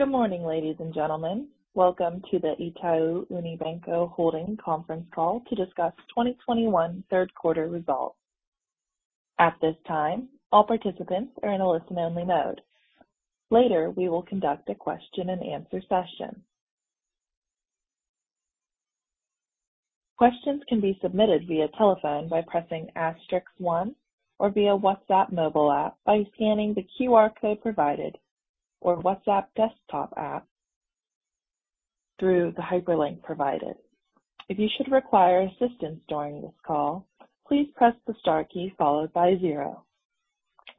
Good morning, ladies and gentlemen. Welcome to the Itaú Unibanco Holding conference call to discuss 2021 third quarter results. At this time, all participants are in a listen-only mode. Later, we will conduct a question-and-answer session. Questions can be submitted via telephone by pressing asterisk one or via WhatsApp mobile app by scanning the QR code provided, or WhatsApp desktop app through the hyperlink provided. If you should require assistance during this call, please press the star key followed by zero.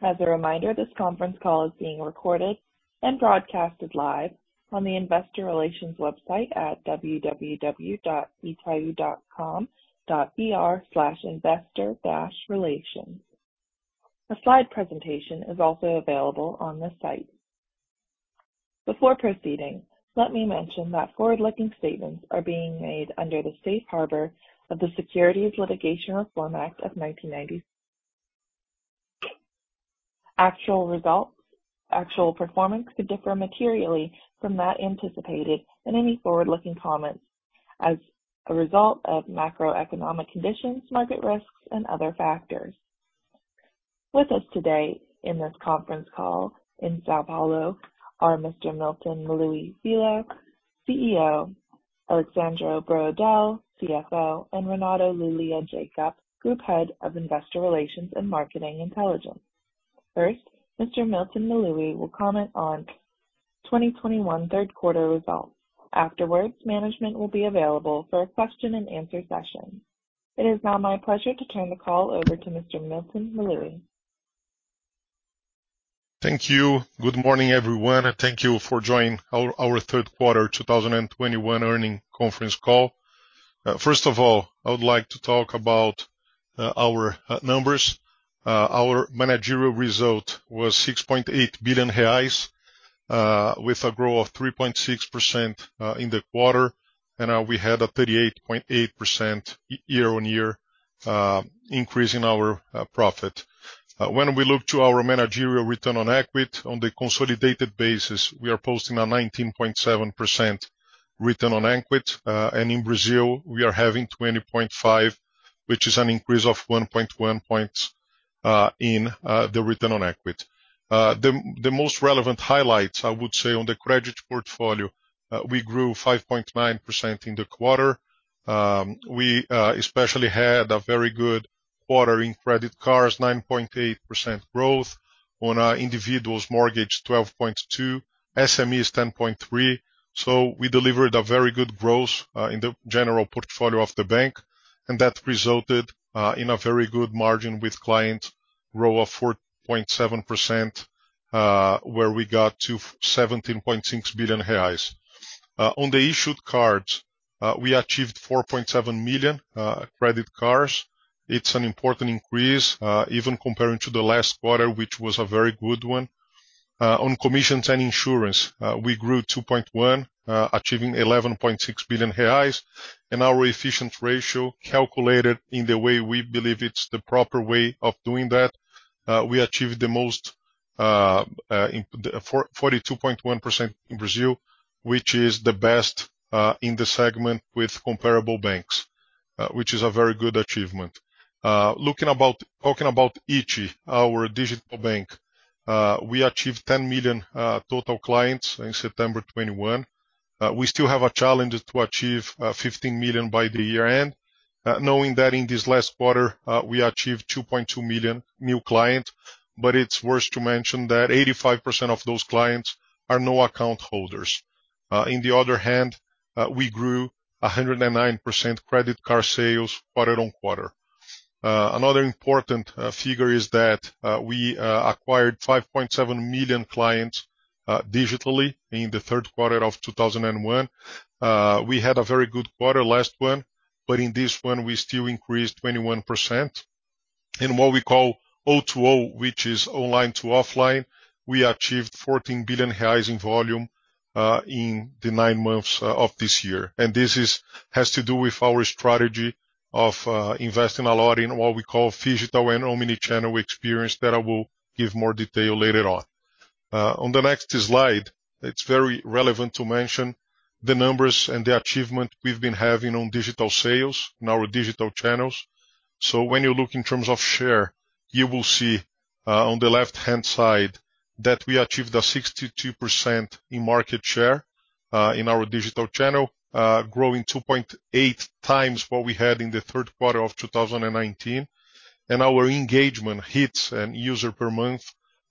As a reminder, this conference call is being recorded and broadcasted live on the investor relations website at www.itau.com.br/investor-relations. A slide presentation is also available on the site. Before proceeding, let me mention that forward-looking statements are being made under the safe harbor of the Securities Litigation Reform Act of 1995. Actual results, actual performance could differ materially from that anticipated in any forward-looking comments as a result of macroeconomic conditions, market risks, and other factors. With us today in this conference call in São Paulo are Mr. Milton Maluhy Filho, CEO, Alexsandro Broedel, CFO, and Renato Lulia Jacob, Group Head of Investor Relations and Marketing Intelligence. First, Mr. Milton Maluhy Filho will comment on 2021 third quarter results. Afterwards, management will be available for a question-and-answer session. It is now my pleasure to turn the call over to Mr. Milton Maluhy Filho. Thank you. Good morning, everyone, and thank you for joining our third quarter 2021 earnings conference call. First of all, I would like to talk about our numbers. Our managerial result was 6.8 billion reais with a growth of 3.6% in the quarter, and we had a 38.8% year-on-year increase in our profit. When we look to our managerial return on equity on the consolidated basis, we are posting a 19.7% return on equity. In Brazil, we are having 20.5%, which is an increase of 1.1 points in the return on equity. The most relevant highlights, I would say on the credit portfolio, we grew 5.9% in the quarter. We especially had a very good quarter in credit cards, 9.8% growth. On individuals mortgage, 12.2%. SMEs, 10.3%. We delivered a very good growth in the general portfolio of the bank, and that resulted in a very good margin with clients growth of 4.7%, where we got to 17.6 billion reais. On the issued cards, we achieved 4.7 million credit cards. It's an important increase even comparing to the last quarter, which was a very good one. On commissions and insurance, we grew 2.1%, achieving 11.6 billion reais. Our efficiency ratio calculated in the way we believe it's the proper way of doing that. We achieved the most in the 42.1% in Brazil, which is the best in the segment with comparable banks, which is a very good achievement. Talking about iti, our digital bank, we achieved 10 million total clients in September 2021. We still have a challenge to achieve 15 million by the year-end, knowing that in this last quarter, we achieved 2.2 million new clients. It's worth to mention that 85% of those clients are no account holders. On the other hand, we grew 109% credit card sales quarter-on-quarter. Another important figure is that we acquired 5.7 million clients digitally in the third quarter of 2021. We had a very good quarter, last one, but in this one, we still increased 21%. In what we call O2O, which is online to offline, we achieved 14 billion in volume in the nine months of this year. This has to do with our strategy of investing a lot in what we call phygital and omni-channel experience that I will give more detail later on. On the next slide, it is very relevant to mention the numbers and the achievement we have been having on digital sales in our digital channels. When you look in terms of share, you will see on the left-hand side that we achieved a 62% market share in our digital channel, growing 2.8x what we had in the third quarter of 2019. Our engagement hits and user per month,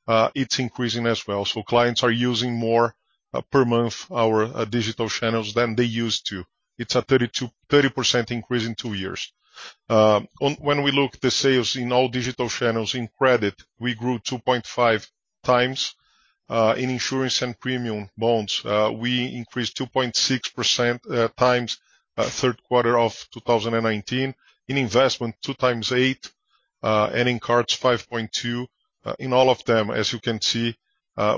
it's increasing as well. Clients are using more per month our digital channels than they used to. It's a 30% increase in two years. When we look the sales in all digital channels in credit, we grew 2.5x. In insurance and premium bonds, we increased 2.6x, third quarter of 2019. In investment, 2.8x. In cards, 5.2x. In all of them, as you can see,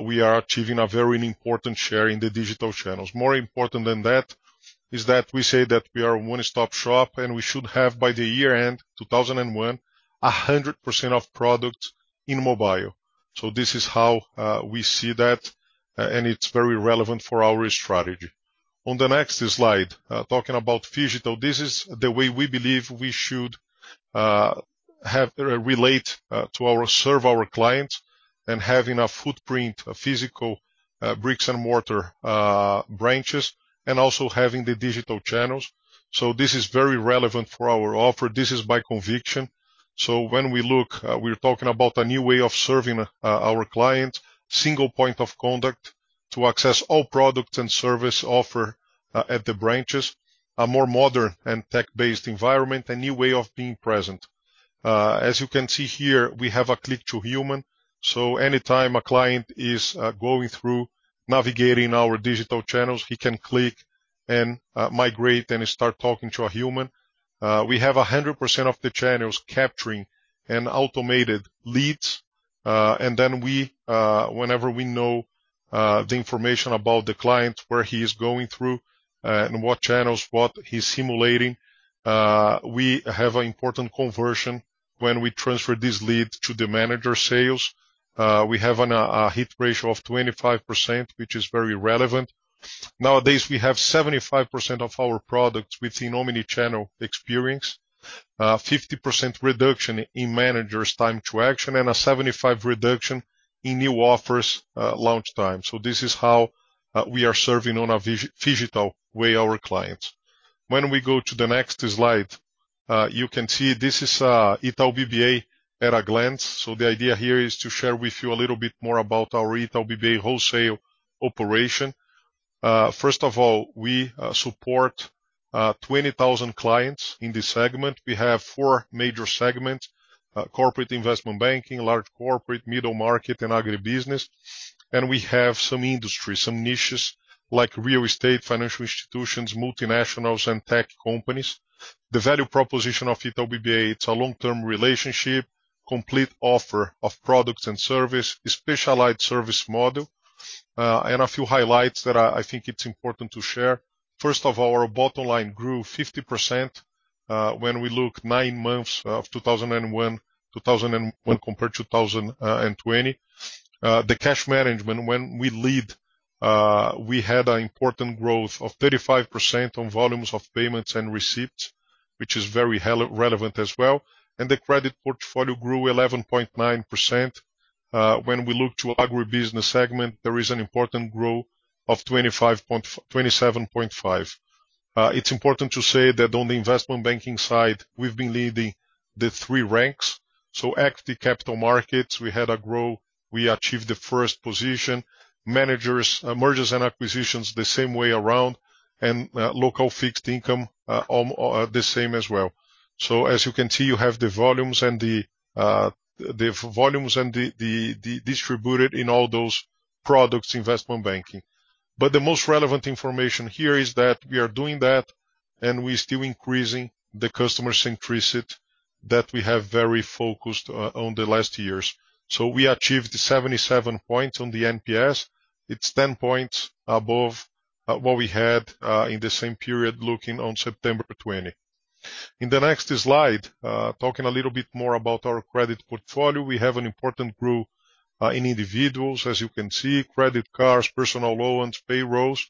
we are achieving a very important share in the digital channels. More important than that is that we say that we are a one-stop shop, and we should have, by the year-end, 2021, 100% of products in mobile. This is how we see that and it's very relevant for our strategy. On the next slide, talking about phygital, this is the way we believe we should serve our clients, and having a footprint, a physical, bricks-and-mortar branches, and also having the digital channels. This is very relevant for our offer. This is my conviction. When we look, we're talking about a new way of serving our clients, single point of contact to access all products and service offer at the branches, a more modern and tech-based environment, a new way of being present. As you can see here, we have a click-to-human, so anytime a client is going through navigating our digital channels, he can click and migrate and start talking to a human. We have 100% of the channels capturing automated leads, and then we, whenever we know the information about the client, where he is going through, and what channels, what he's simulating, we have an important conversion when we transfer this lead to the sales manager. We have a hit ratio of 25%, which is very relevant. Nowadays, we have 75% of our products within omnichannel experience, 50% reduction in managers time to action, and a 75% reduction in new offers launch time. This is how we are serving in a phygital way our clients. When we go to the next slide, you can see this is Itaú BBA at a glance. The idea here is to share with you a little bit more about our Itaú BBA wholesale operation. First of all, we support 20,000 clients in this segment. We have four major segments: corporate investment banking, large corporate, middle market, and agribusiness. We have some industries, some niches, like real estate, financial institutions, multinationals and tech companies. The value proposition of Itaú BBA, it's a long-term relationship, complete offer of products and service, specialized service model. A few highlights that I think it's important to share. First of all, our bottom line grew 50% when we look nine months of 2021 compared to 2020. The cash management, when we lead, we had an important growth of 35% on volumes of payments and receipts, which is very relevant as well. The credit portfolio grew 11.9%. When we look to agribusiness segment, there is an important growth of 27.5%. It's important to say that on the investment banking side, we've been leading the three ranks, equity capital markets, we had a growth, we achieved the first position. Managers, mergers and acquisitions, the same way around, and local fixed income, the same as well. You can see, you have the volumes and the distributed in all those products, investment banking. The most relevant information here is that we are doing that, and we still increasing the customer centricity that we have very focused on the last years. We achieved 77 points on the NPS. It's 10 points above what we had in the same period, looking on September 2020. In the next slide, talking a little bit more about our credit portfolio, we have an important growth in individuals. As you can see, credit cards, personal loans, payrolls,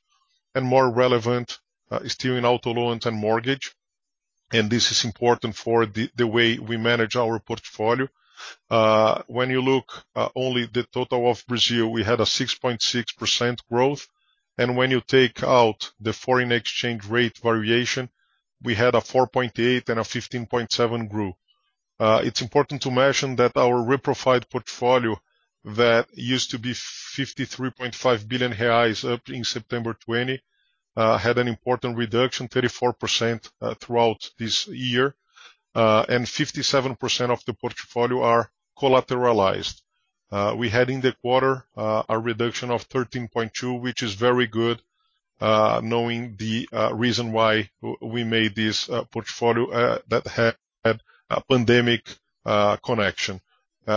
and, more relevant, still in auto loans and mortgage. This is important for the way we manage our portfolio. When you look at only the total of Brazil, we had a 6.6% growth. When you take out the foreign exchange rate variation, we had a 4.8% and a 15.7% growth. It's important to mention that our reprofiled portfolio, that used to be 53.5 billion reais in September 2020, had an important reduction, 34%, throughout this year. 57% of the portfolio are collateralized. We had in the quarter a reduction of 13.2, which is very good, knowing the reason why we made this portfolio that had a pandemic connection.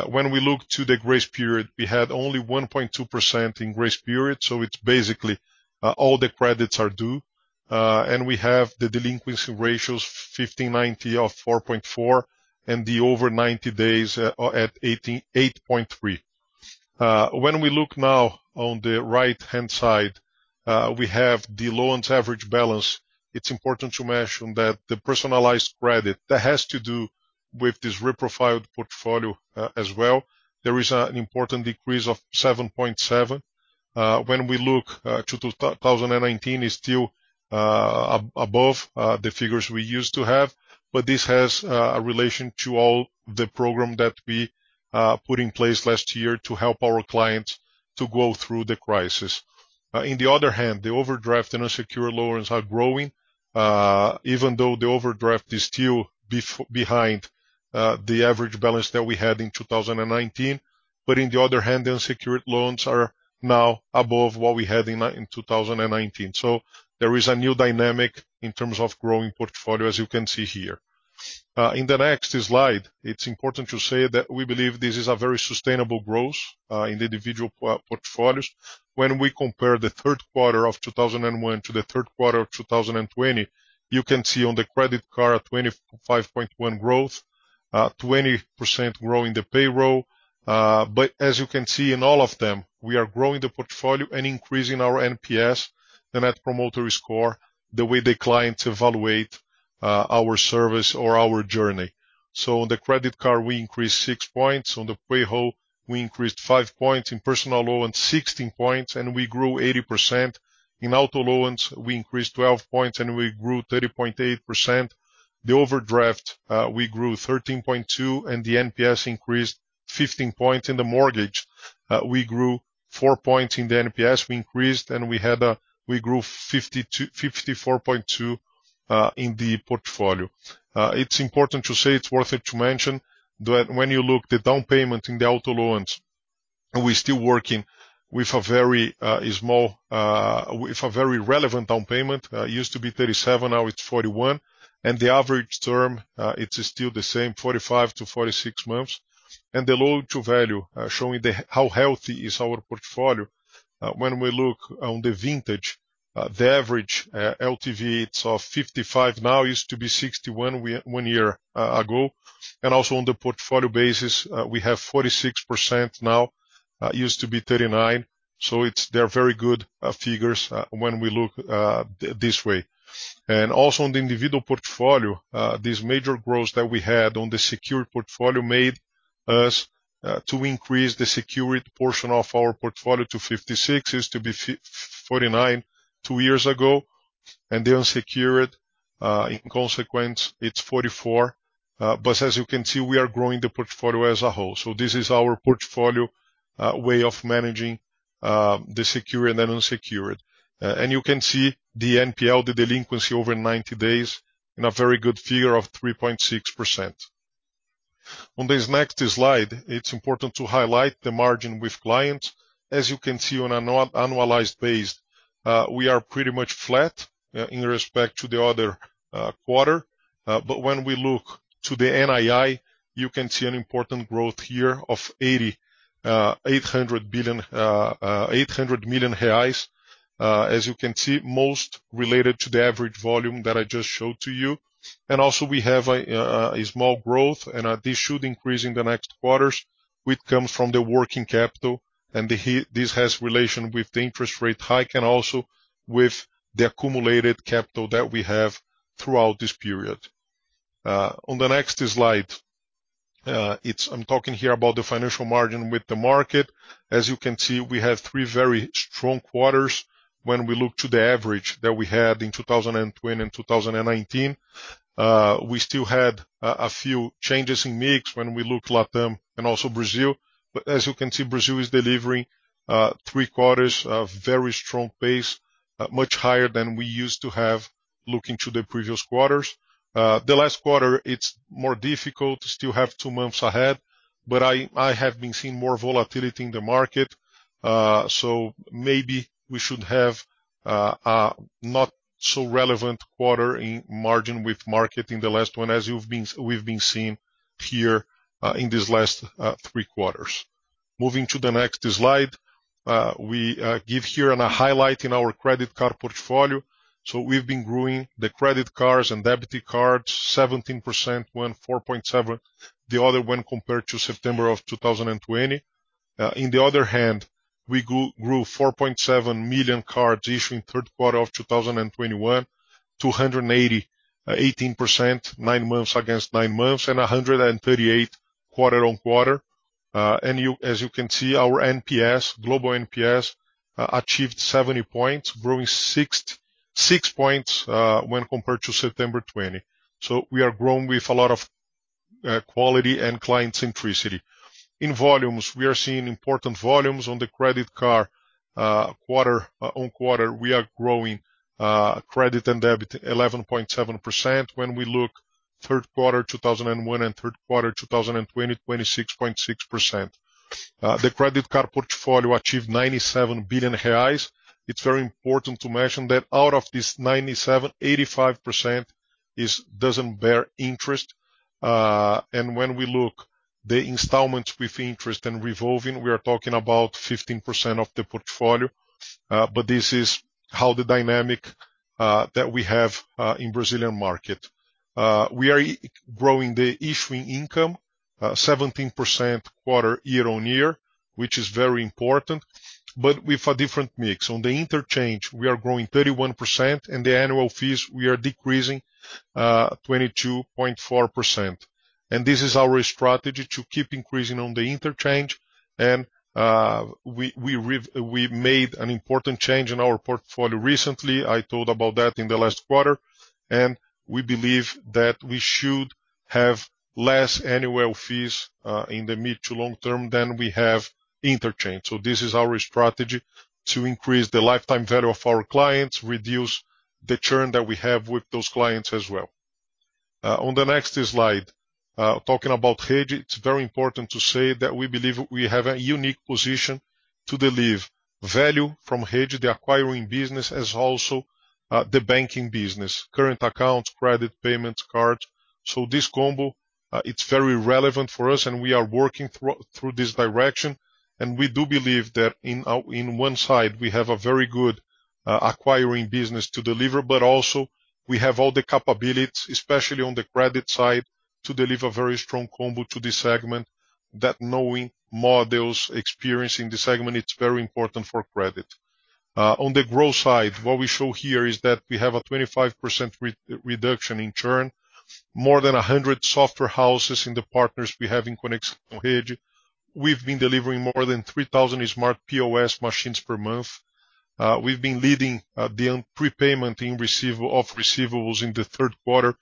When we look to the grace period, we had only 1.2% in grace period, so it's basically all the credits are due. And we have the delinquency ratios 50/90 of 4.4, and the over 90 days at 8.3. When we look now on the right-hand side, we have the loans average balance. It's important to mention that the personalized credit, that has to do with this reprofiled portfolio, as well. There is an important decrease of 7.7. When we look to 2019, it's still above the figures we used to have, but this has a relation to all the program that we put in place last year to help our clients to go through the crisis. On the other hand, the overdraft and unsecured loans are growing, even though the overdraft is still behind the average balance that we had in 2019. But on the other hand, the unsecured loans are now above what we had in 2019. There is a new dynamic in terms of growing portfolio, as you can see here. In the next slide, it's important to say that we believe this is a very sustainable growth in the individual portfolios. When we compare the third quarter of 2001 to the third quarter of 2020, you can see on the credit card, 25.1% growth, 20% growth in the payroll. As you can see, in all of them, we are growing the portfolio and increasing our NPS, the Net Promoter Score, the way the clients evaluate, our service or our journey. On the credit card, we increased 6 points. On the payroll, we increased 5 points. In personal loan, 16 points, and we grew 80%. In auto loans, we increased 12 points, and we grew 30.8%. The overdraft, we grew 13.2 points, and the NPS increased 15 points. In the mortgage, we grew 4 points. In the NPS, we increased and grew 54.2% in the portfolio. It's important to say, it's worth it to mention that when you look at the down payment in the auto loans, we're still working with a very small with a very relevant down payment. It used to be 37, now it's 41, and the average term, it's still the same, 45 months-46 months. The loan-to-value, showing how healthy is our portfolio, when we look on the vintage, the average LTV, it's 55 now, used to be 61 one year ago. Also on the portfolio basis, we have 46% now, used to be 39. It's. They are very good figures when we look this way. Also on the individual portfolio, this major growth that we had on the secured portfolio made us to increase the secured portion of our portfolio to 56. It used to be 49 two years ago. The unsecured, in consequence, it's 44. But as you can see, we are growing the portfolio as a whole. This is our portfolio way of managing the secured and unsecured. You can see the NPL, the delinquency over 90 days in a very good figure of 3.6%. On this next slide, it's important to highlight the margin with clients. As you can see, on an annualized base, we are pretty much flat in respect to the other quarter. When we look to the NII, you can see an important growth here of 800 million reais. As you can see, most related to the average volume that I just showed to you. Also we have a small growth, and this should increase in the next quarters, which comes from the working capital, and this has relation with the interest rate hike and also with the accumulated capital that we have throughout this period. On the next slide, I'm talking here about the financial margin with the market. As you can see, we have three very strong quarters when we look to the average that we had in 2020 and 2019. We still had a few changes in mix when we look at LatAm and also Brazil. As you can see, Brazil is delivering three quarters of very strong pace much higher than we used to have looking to the previous quarters. The last quarter, it's more difficult. Still have two months ahead. I have been seeing more volatility in the market, so maybe we should have a not so relevant quarter in margin with market in the last one, as you've been, we've been seeing here in these last three quarters. Moving to the next slide, we give here a highlight in our credit card portfolio. So we've been growing the credit cards and debit cards 17%, 14.7%, the other one compared to September of 2020. On the other hand, we grew 4.7 million cards issued in third quarter of 2021, 280, 18% nine months against nine months, and 138 quarter-on-quarter. You, as you can see, our NPS, global NPS, achieved 70 points, growing 66 points when compared to September 2020. We are growing with a lot of quality and client centricity. In volumes, we are seeing important volumes on the credit card. Quarter-on-quarter, we are growing credit and debit 11.7%. When we look at third quarter 2021 and third quarter 2020, 26.6%. The credit card portfolio achieved 97 billion reais. It's very important to mention that out of this 97, 85% doesn't bear interest. When we look at the installments with interest and revolving, we are talking about 15% of the portfolio. This is how the dynamics that we have in the Brazilian market. We are growing the issuing income 17% year-on-year, which is very important, but with a different mix. On the interchange, we are growing 31%, and the annual fees, we are decreasing 22.4%. This is our strategy to keep increasing on the interchange. We made an important change in our portfolio recently. I told about that in the last quarter. We believe that we should have less annual fees in the mid- to long-term than we have interchange. This is our strategy to increase the lifetime value of our clients, reduce the churn that we have with those clients as well. On the next slide, talking about Rede, it's very important to say that we believe we have a unique position to deliver value from Rede, the acquiring business, as also, the banking business, current accounts, credit, payments, cards. This combo, it's very relevant for us, and we are working through this direction. We do believe that in one side, we have a very good acquiring business to deliver, but also we have all the capabilities, especially on the credit side, to deliver very strong combo to this segment, that knowing models, experience in this segment, it's very important for credit. On the growth side, what we show here is that we have a 25% reduction in churn. More than 100 software houses in the partners we have in Conexão Rede. We've been delivering more than 3,000 smart POS machines per month. We've been leading the prepayment of receivables in the third quarter.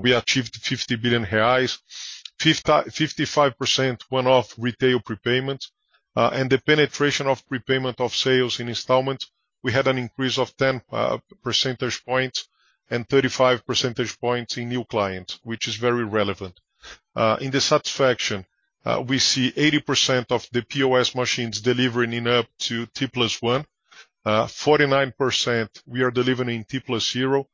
We achieved 50 billion reais. 55% one-off retail prepayment. The penetration of prepayment of sales in installments, we had an increase of 10 percentage points, and 35 percentage points in new clients, which is very relevant. In the satisfaction, we see 80% of the POS machines delivering in up to T+1. 49% we are delivering T+0.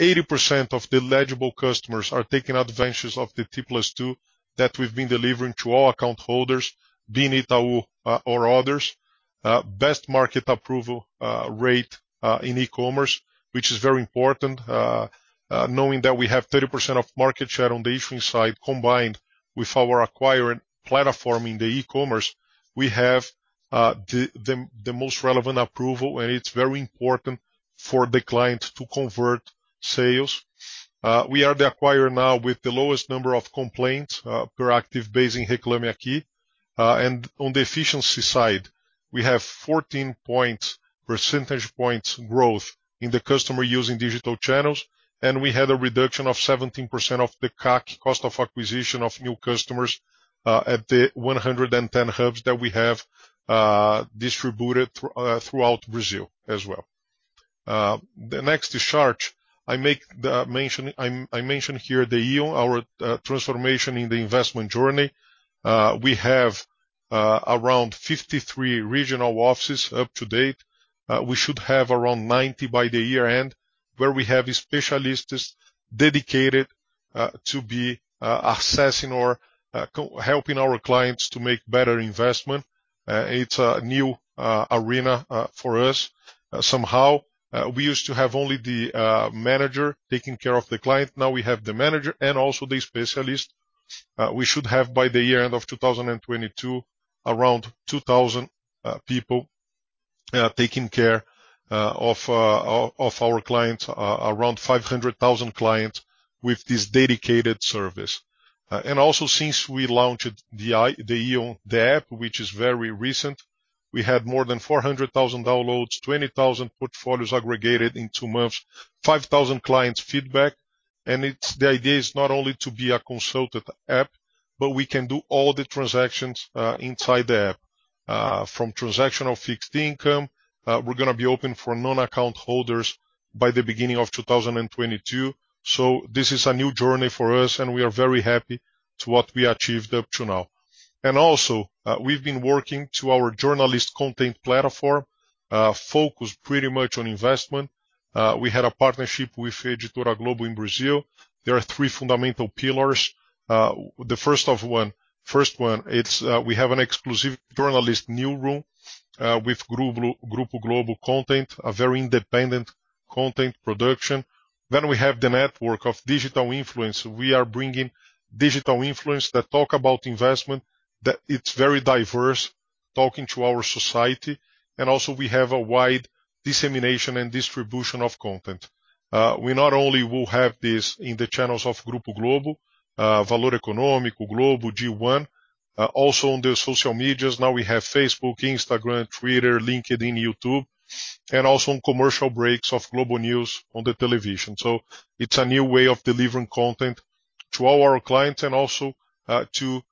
80% of the eligible customers are taking advantage of the T+2 that we've been delivering to all account holders, be it Itaú or others. Best market approval rate in e-commerce, which is very important. Knowing that we have 30% of market share on the issuing side, combined with our acquiring platform in the e-commerce, we have the most relevant approval, and it's very important for the client to convert sales. We are the acquirer now with the lowest number of complaints per active base in Reclame Aqui. On the efficiency side, we have 14 percentage points growth in the customer using digital channels, and we had a reduction of 17% of the CAC, cost of acquisition of new customers, at the 110 hubs that we have, distributed throughout Brazil as well. The next chart, I mention here the íon, our transformation in the investment journey. We have around 53 regional offices up to date. We should have around 90 by the year-end, where we have specialists dedicated to assessing or helping our clients to make better investment. It's a new arena for us. Somehow, we used to have only the manager taking care of the client. Now we have the manager and also the specialist. We should have by the year-end of 2022, around 2,000 people taking care of our clients, around 500,000 clients with this dedicated service. Since we launched the íon, the app, which is very recent, we had more than 400,000 downloads, 20,000 portfolios aggregated in two months, 5,000 clients feedback. It's, the idea is not only to be a consulted app, but we can do all the transactions inside the app. From transactional fixed income, we're gonna be open for non-account holders by the beginning of 2022. This is a new journey for us, and we are very happy to what we achieved up to now. We've been working to our journalist content platform, focused pretty much on investment. We had a partnership with Editora Globo in Brazil. There are three fundamental pillars. The first one, it's we have an exclusive journalist newsroom with Grupo Globo content, a very independent content production. Then we have the network of digital influence. We are bringing digital influence that talk about investment, that it's very diverse, talking to our society. We have a wide dissemination and distribution of content. We not only will have this in the channels of Grupo Globo, Valor Econômico, Globo, G1, also on the social media. Now we have Facebook, Instagram, Twitter, LinkedIn, YouTube, and also on commercial breaks of GloboNews on the television. It's a new way of delivering content to all our clients and also to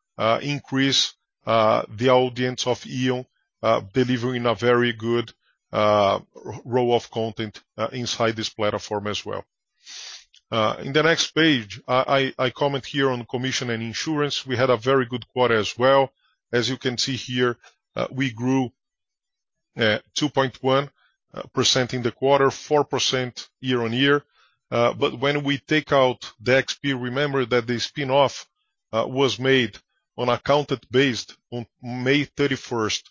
increase the audience of íon, delivering a very good array of content inside this platform as well. On the next page, I comment here on commissions and insurance. We had a very good quarter as well. As you can see here, we grew 2.1% in the quarter, 4% year-on-year. When we take out the XP, remember that the spin-off was made and accounted based on May 31st.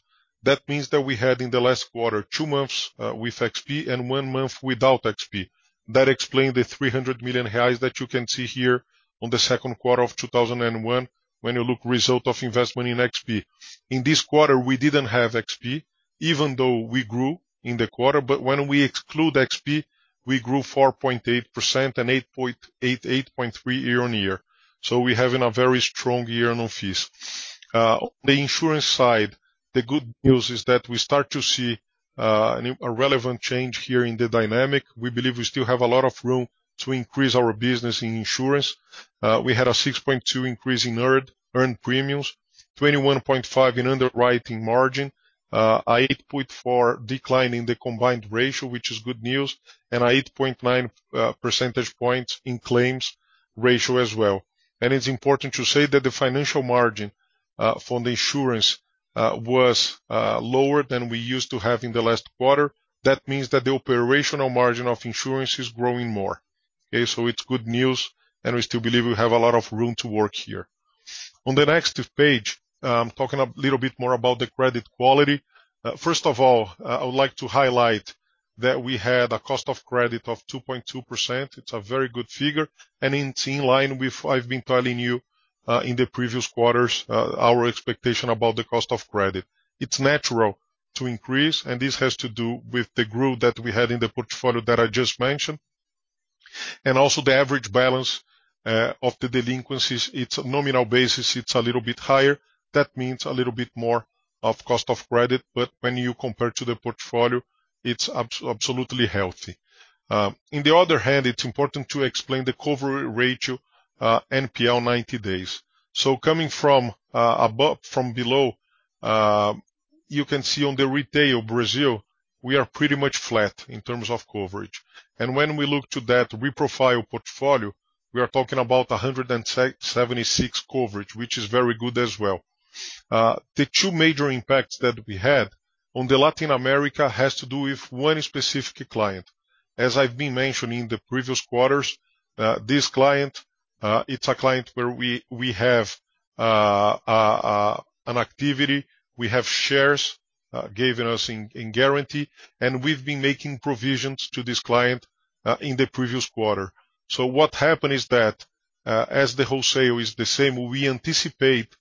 That means that we had in the last quarter two months with XP and one month without XP. That explained the 300 million reais that you can see here on the second quarter of 2021 when you look at result of investment in XP. In this quarter, we didn't have XP, even though we grew in the quarter, but when we exclude XP, we grew 4.8% and 8.3% year-on-year. We're having a very strong year on our fees. The insurance side, the good news is that we start to see a relevant change here in the dynamic. We believe we still have a lot of room to increase our business in insurance. We had a 6.2% increase in earned premiums, 21.5% in underwriting margin, an 8.4% decline in the combined ratio, which is good news, and 8.9 percentage points in claims ratio as well. It's important to say that the financial margin from the insurance was lower than we used to have in the last quarter. That means that the operational margin of insurance is growing more. Okay, so it's good news, and we still believe we have a lot of room to work here. On the next page, talking a little bit more about the credit quality. First of all, I would like to highlight that we had a cost of credit of 2.2%. It's a very good figure, and it's in line with I've been telling you in the previous quarters our expectation about the cost of credit. It's natural to increase, and this has to do with the growth that we had in the portfolio that I just mentioned. Also the average balance of the delinquencies, it's nominal basis, it's a little bit higher. That means a little bit more of cost of credit, but when you compare to the portfolio, it's absolutely healthy. On the other hand, it's important to explain the coverage ratio, NPL ninety days. Coming from below, you can see on the Retail Brazil, we are pretty much flat in terms of coverage. When we look to that, our profiled portfolio, we are talking about 176 coverage, which is very good as well. The two major impacts that we had in Latin America have to do with one specific client. As I've been mentioning in the previous quarters, this client, it's a client where we have an activity, we have shares given to us in guarantee, and we've been making provisions to this client in the previous quarter. What happened is that, as the wholesale is the same, we anticipate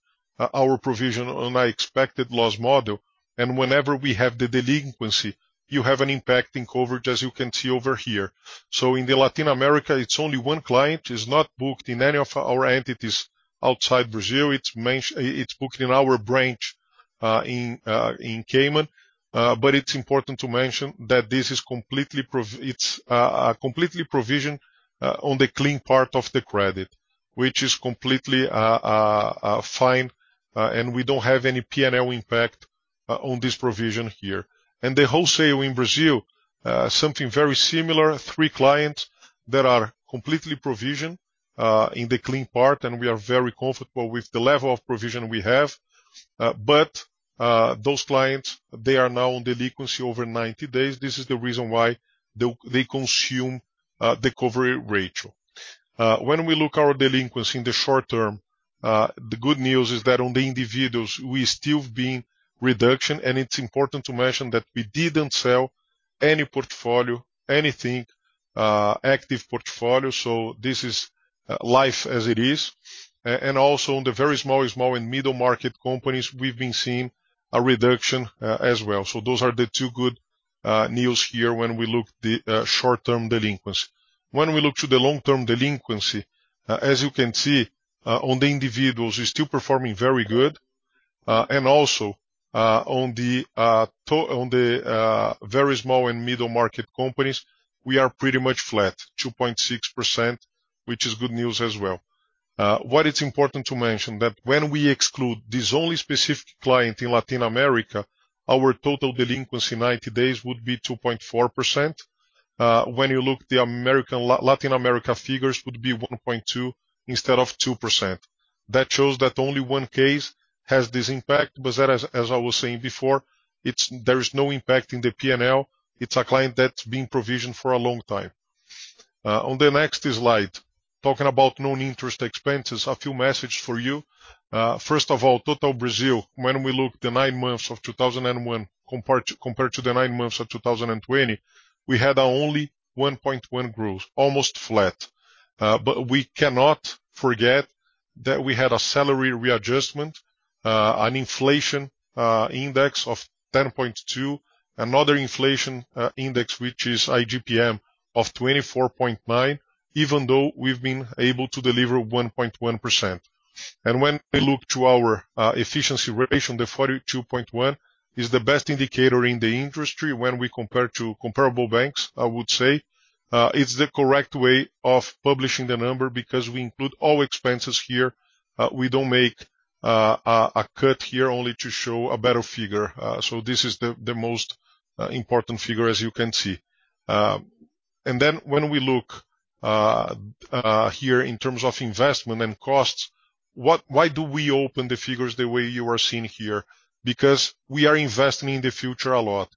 our provision on our expected loss model. Whenever we have the delinquency, you have an impact on coverage, as you can see over here. In Latin America, it's only one client, it's not booked in any of our entities outside Brazil. It's booked in our branch in Cayman. It's important to mention that this is completely provisioned on the clean part of the credit, which is completely fine, and we don't have any P&L impact on this provision here. The wholesale in Brazil, something very similar, three clients that are completely provisioned in the clean part, and we are very comfortable with the level of provision we have. Those clients, they are now on delinquency over 90 days. This is the reason why they consume the coverage ratio. When we look at our delinquency in the short term, the good news is that on the individuals, we're still seeing reduction. It's important to mention that we didn't sell any portfolio, anything, active portfolio. This is life as it is. Also on the very small and middle market companies, we've been seeing a reduction as well. Those are the two good news here when we look at the short-term delinquency. When we look at the long-term delinquency, as you can see, on the individuals, we're still performing very good. On the very small and middle market companies, we are pretty much flat, 2.6%, which is good news as well. What's important to mention that when we exclude this only specific client in Latin America, our total 90-day delinquency would be 2.4%. When you look at the Latin America figures would be 1.2% instead of 2%. That shows that only one case has this impact. That, as I was saying before, there is no impact in the P&L. It's a client that's been provisioned for a long time. On the next slide, talking about non-interest expenses, a few messages for you. First of all, total Brazil, when we look at the nine months of 2021 compared to the nine months of 2020, we had only 1.1% growth, almost flat. We cannot forget that we had a salary readjustment, an inflation index of 10.2%, another inflation index, which is IGPM of 24.9%, even though we've been able to deliver 1.1%. When we look at our efficiency ratio, the 42.1% is the best indicator in the industry when we compare to comparable banks, I would say. It's the correct way of publishing the number because we include all expenses here. We don't make a cut here only to show a better figure. This is the most important figure, as you can see. Then when we look here in terms of investment and costs, why do we open the figures the way you are seeing here? Because we are investing in the future a lot.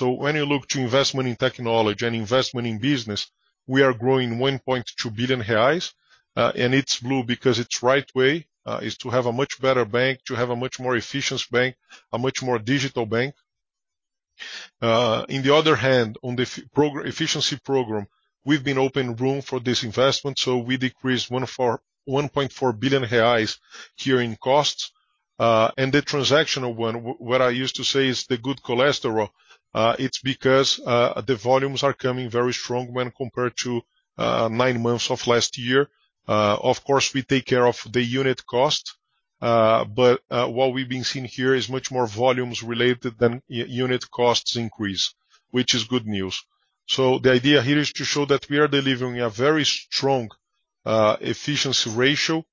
When you look to investment in technology and investment in business, we are growing 1.2 billion reais, and it's blue because it's right way is to have a much better bank, to have a much more efficient bank, a much more digital bank. On the other hand, on the efficiency program, we've made room for this investment, so we decreased 1.4 billion reais here in costs. The transactional one, what I used to say is the good cholesterol, it's because the volumes are coming very strong when compared to nine months of last year. Of course, we take care of the unit cost, but what we've been seeing here is much more volumes related than unit costs increase, which is good news. The idea here is to show that we are delivering a very strong efficiency ratio,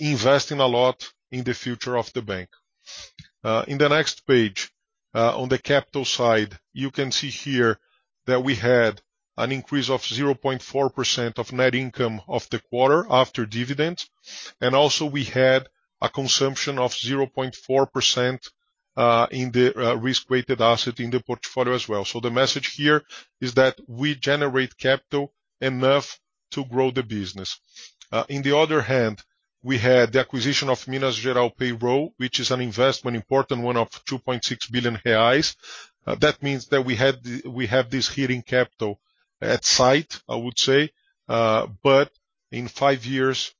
investing a lot in the future of the bank. In the next page, on the capital side, you can see here that we had an increase of 0.4% of net income of the quarter after dividend. Also we had a consumption of 0.4%, in the risk-weighted asset in the portfolio as well. The message here is that we generate capital enough to grow the business. On the other hand, we had the acquisition of Minas Gerais payroll, which is an investment, important one, of 2.6 billion reais. That means we have this hidden capital asset, I would say. In five years,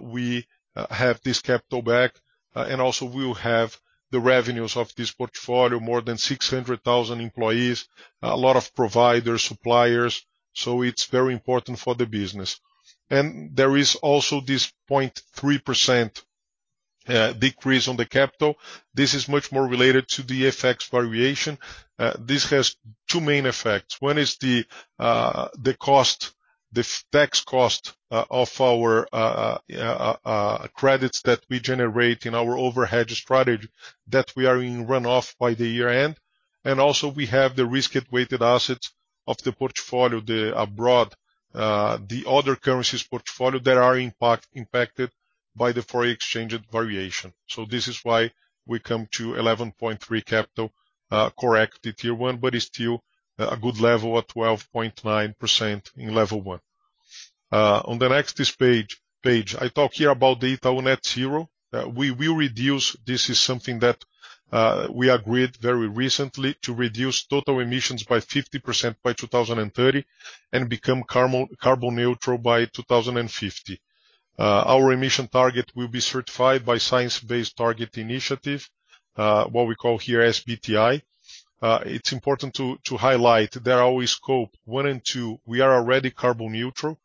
we have this capital back, and also we'll have the revenues of this portfolio, more than 600,000 employees, a lot of providers, suppliers, so it's very important for the business. There is also this 0.3% decrease on the capital. This is much more related to the FX variation. This has two main effects. One is the cost, the FX tax cost, of our credits that we generate in our overhead strategy that we are in run off by the year-end. We also have the risk-weighted assets of the portfolio, the abroad, the other currencies portfolio that are impacted by the foreign exchange variation. This is why we come to 11.3 capital, correct at year one, but it's still a good level at 12.9% in level one. On the next page, I talk here about the Itaú Net Zero. We will reduce, this is something that we agreed very recently, to reduce total emissions by 50% by 2030, and become carbon neutral by 2050. Our emission target will be certified by Science Based Targets initiative, what we call here SBTI. It's important to highlight that our scope one and two, we are already carbon neutral.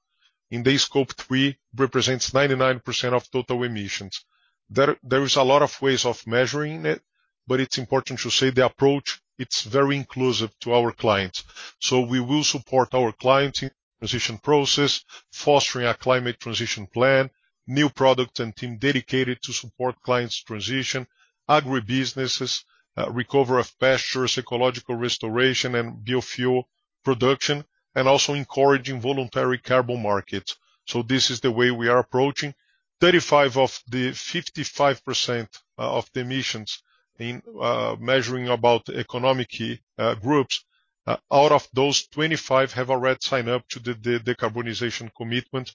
In scope three represents 99% of total emissions. There is a lot of ways of measuring it, but it's important to say the approach, it's very inclusive to our clients. We will support our clients in transition process, fostering a climate transition plan, new product and team dedicated to support clients transition, agribusinesses, recovery of pastures, ecological restoration, and biofuel production, and also encouraging voluntary carbon markets. This is the way we are approaching. 35 of the 55% of the emissions in measuring about economic groups. Out of those, 25 have already signed up to the decarbonization commitment.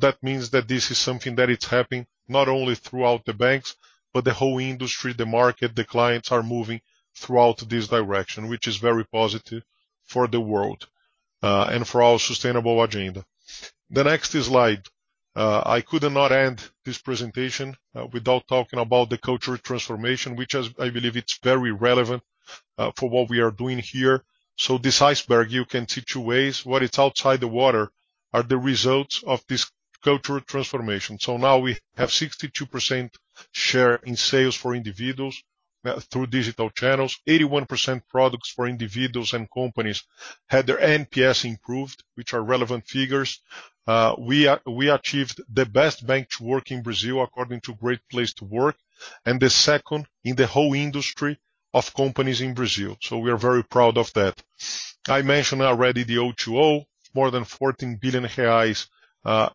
That means that this is something that it's happening not only throughout the banks, but the whole industry, the market, the clients are moving throughout this direction, which is very positive for the world and for our sustainable agenda. The next slide. I could not end this presentation without talking about the cultural transformation, which is, I believe, very relevant for what we are doing here. This iceberg, you can see two ways. What is outside the water are the results of this cultural transformation. Now we have 62% share in sales for individuals through digital channels. 81% products for individuals and companies had their NPS improved, which are relevant figures. We achieved the best bank to work in Brazil, according to Great Place to Work, and the second in the whole industry of companies in Brazil. We are very proud of that. I mentioned already the O2O, more than 14 billion reais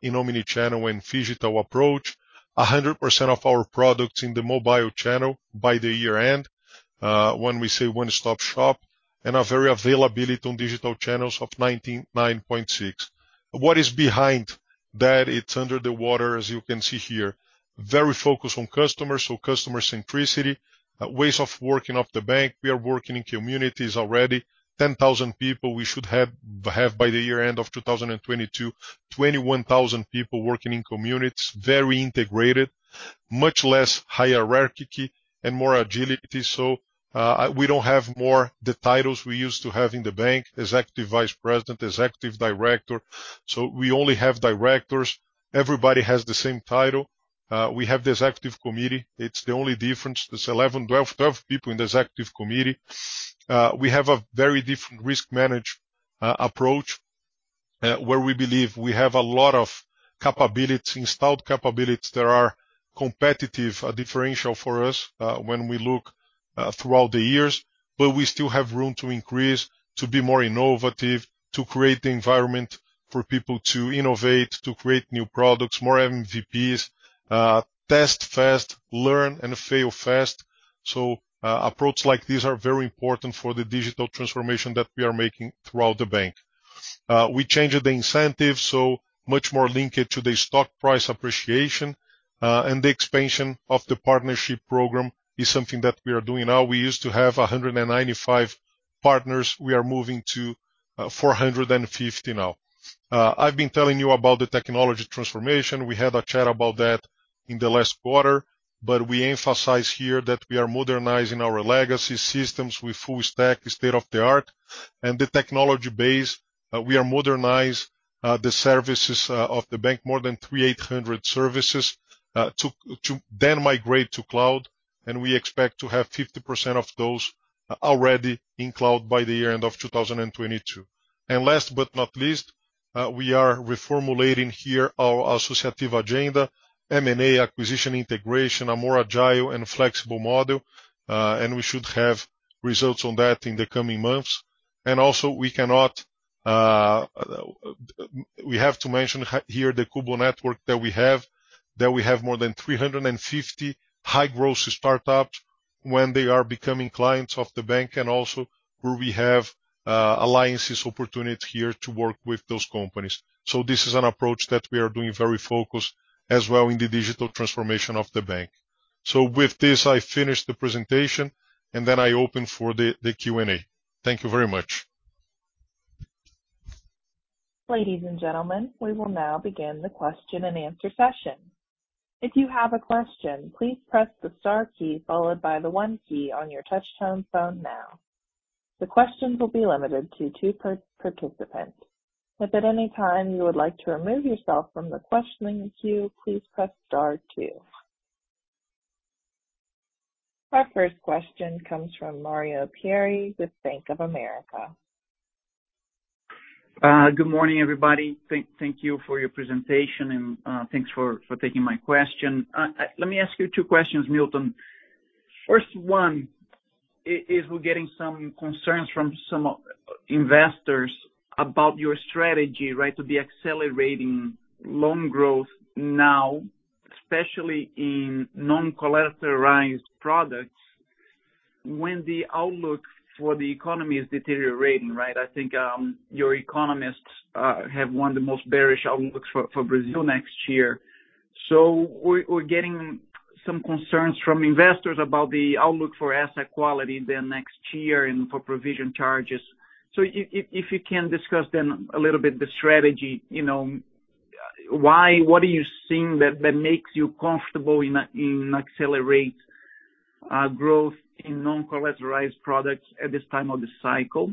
in omnichannel and phygital approach. 100% of our products in the mobile channel by the year-end, when we say one-stop-shop, and a very availability on digital channels of 99.6%. What is behind that? It's under the water, as you can see here. Very focused on customers, so customer centricity, ways of working of the bank. We are working in communities already. 10,000 people we should have by the year-end of 2022, 21,000 people working in communities, very integrated, much less hierarchical and more agility. We don't have anymore the titles we used to have in the bank, Executive Vice President, Executive Director. We only have directors. Everybody has the same title. We have the Executive Committee. It's the only difference. There's 12 people in the Executive Committee. We have a very different risk management approach, where we believe we have a lot of capabilities, installed capabilities that are competitive, a differential for us, when we look throughout the years, but we still have room to increase, to be more innovative, to create the environment for people to innovate, to create new products, more MVPs, test fast, learn, and fail fast. Approaches like these are very important for the digital transformation that we are making throughout the bank. We changed the incentives, so much more linkage to the stock price appreciation, and the expansion of the partnership program is something that we are doing now. We used to have 195 partners. We are moving to 450 now. I've been telling you about the technology transformation. We had a chat about that in the last quarter, but we emphasize here that we are modernizing our legacy systems with full stack state-of-the-art. The technology base, we are modernizing the services of the bank, more than 300 services, to then migrate to cloud, and we expect to have 50% of those already in cloud by the year-end of 2022. Last but not least, we are reformulating here our associative agenda, M&A acquisition integration, a more agile and flexible model, and we should have results on that in the coming months. We have to mention here the Cubo network that we have more than 350 high-growth startups when they are becoming clients of the bank and also where we have alliance opportunities here to work with those companies. This is an approach that we are doing very focused as well in the digital transformation of the bank. With this, I finish the presentation, and then I open for the Q&A. Thank you very much. Ladies and gentlemen, we will now begin the question-and-answer session. If you have a question, please press the star key followed by the one key on your touchtone phone now. The questions will be limited to two per participant. If at any time you would like to remove yourself from the questioning queue, please press star two. Our first question comes from Mario Pierry with Bank of America. Good morning, everybody. Thank you for your presentation and thanks for taking my question. Let me ask you two questions, Milton. First one is we're getting some concerns from some investors about your strategy, right, to be accelerating loan growth now, especially in non-collateralized products, when the outlook for the economy is deteriorating, right? I think your economists have one of the most bearish outlooks for Brazil next year. We're getting some concerns from investors about the outlook for asset quality then next year and for provision charges. If you can discuss then a little bit the strategy, you know, why, what are you seeing that that makes you comfortable in in accelerate growth in non-collateralized products at this time of the cycle.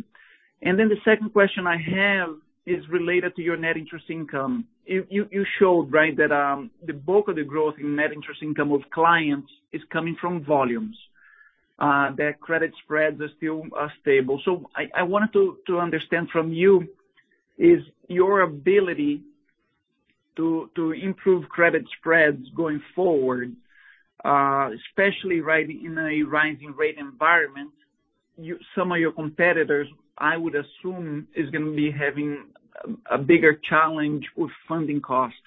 The second question I have is related to your net interest income. You showed, right, that the bulk of the growth in net interest income of clients is coming from volumes, that credit spreads are still stable. I wanted to understand from you, is your ability to improve credit spreads going forward, especially right in a rising rate environment, some of your competitors, I would assume, is gonna be having a bigger challenge with funding costs.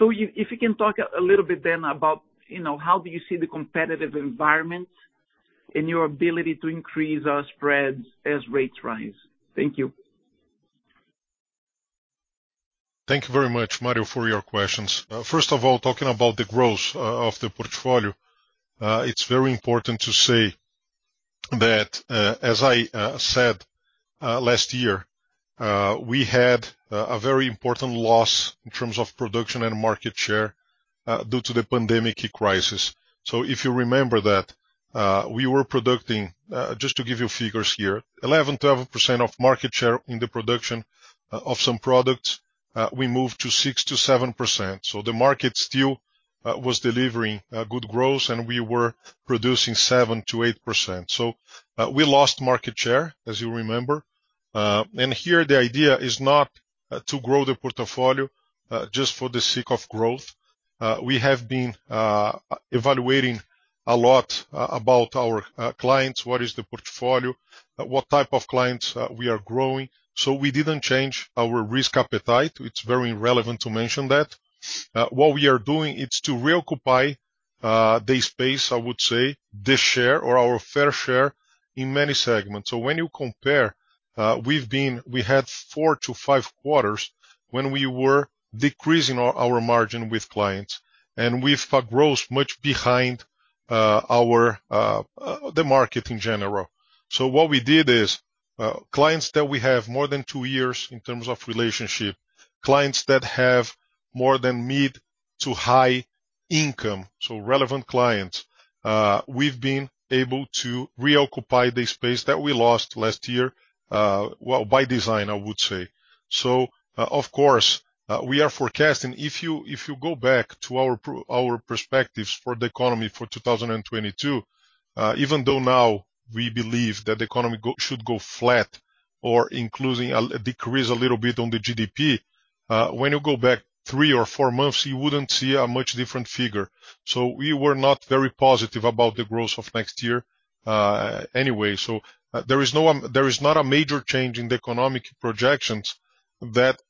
If you can talk a little bit then about, you know, how do you see the competitive environment and your ability to increase spreads as rates rise. Thank you. Thank you very much, Mario, for your questions. First of all, talking about the growth of the portfolio, it's very important to say that, as I said last year, we had a very important loss in terms of production and market share due to the pandemic crisis. If you remember that, we were producing, just to give you figures here, 11%-12% of market share in the production of some products, we moved to 6%-7%. The market still was delivering good growth, and we were producing 7%-8%. We lost market share, as you remember. Here the idea is not to grow the portfolio just for the sake of growth. We have been evaluating a lot about our clients, what is the portfolio, what type of clients we are growing. We didn't change our risk appetite. It's very relevant to mention that. What we are doing is to reoccupy the space, I would say, the share or our fair share in many segments. When you compare, we had four to five quarters when we were decreasing our margin with clients, and with a growth much behind the market in general. What we did is clients that we have more than two years in terms of relationship, clients that have more than mid to high income, so relevant clients, we've been able to reoccupy the space that we lost last year, well, by design, I would say. Of course, we are forecasting. If you go back to our perspectives for the economy for 2022, even though now we believe that the economy should go flat or including a decrease a little bit on the GDP, when you go back three or four months, you wouldn't see a much different figure. We were not very positive about the growth of next year, anyway. There is not a major change in the economic projections that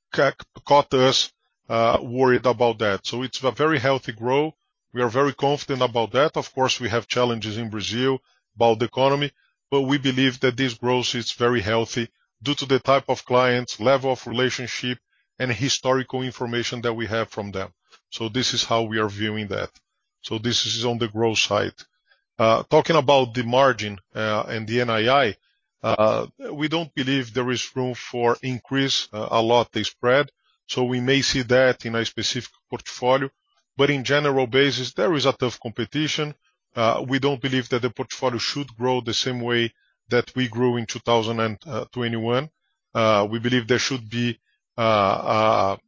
caught us worried about that. It's a very healthy growth. We are very confident about that. Of course, we have challenges in Brazil about the economy, but we believe that this growth is very healthy due to the type of clients, level of relationship, and historical information that we have from them. This is how we are viewing that. This is on the growth side. Talking about the margin and the NII, we don't believe there is room for increase a lot the spread. We may see that in a specific portfolio, but in general basis, there is a tough competition. We don't believe that the portfolio should grow the same way that we grew in 2021. We believe there should be a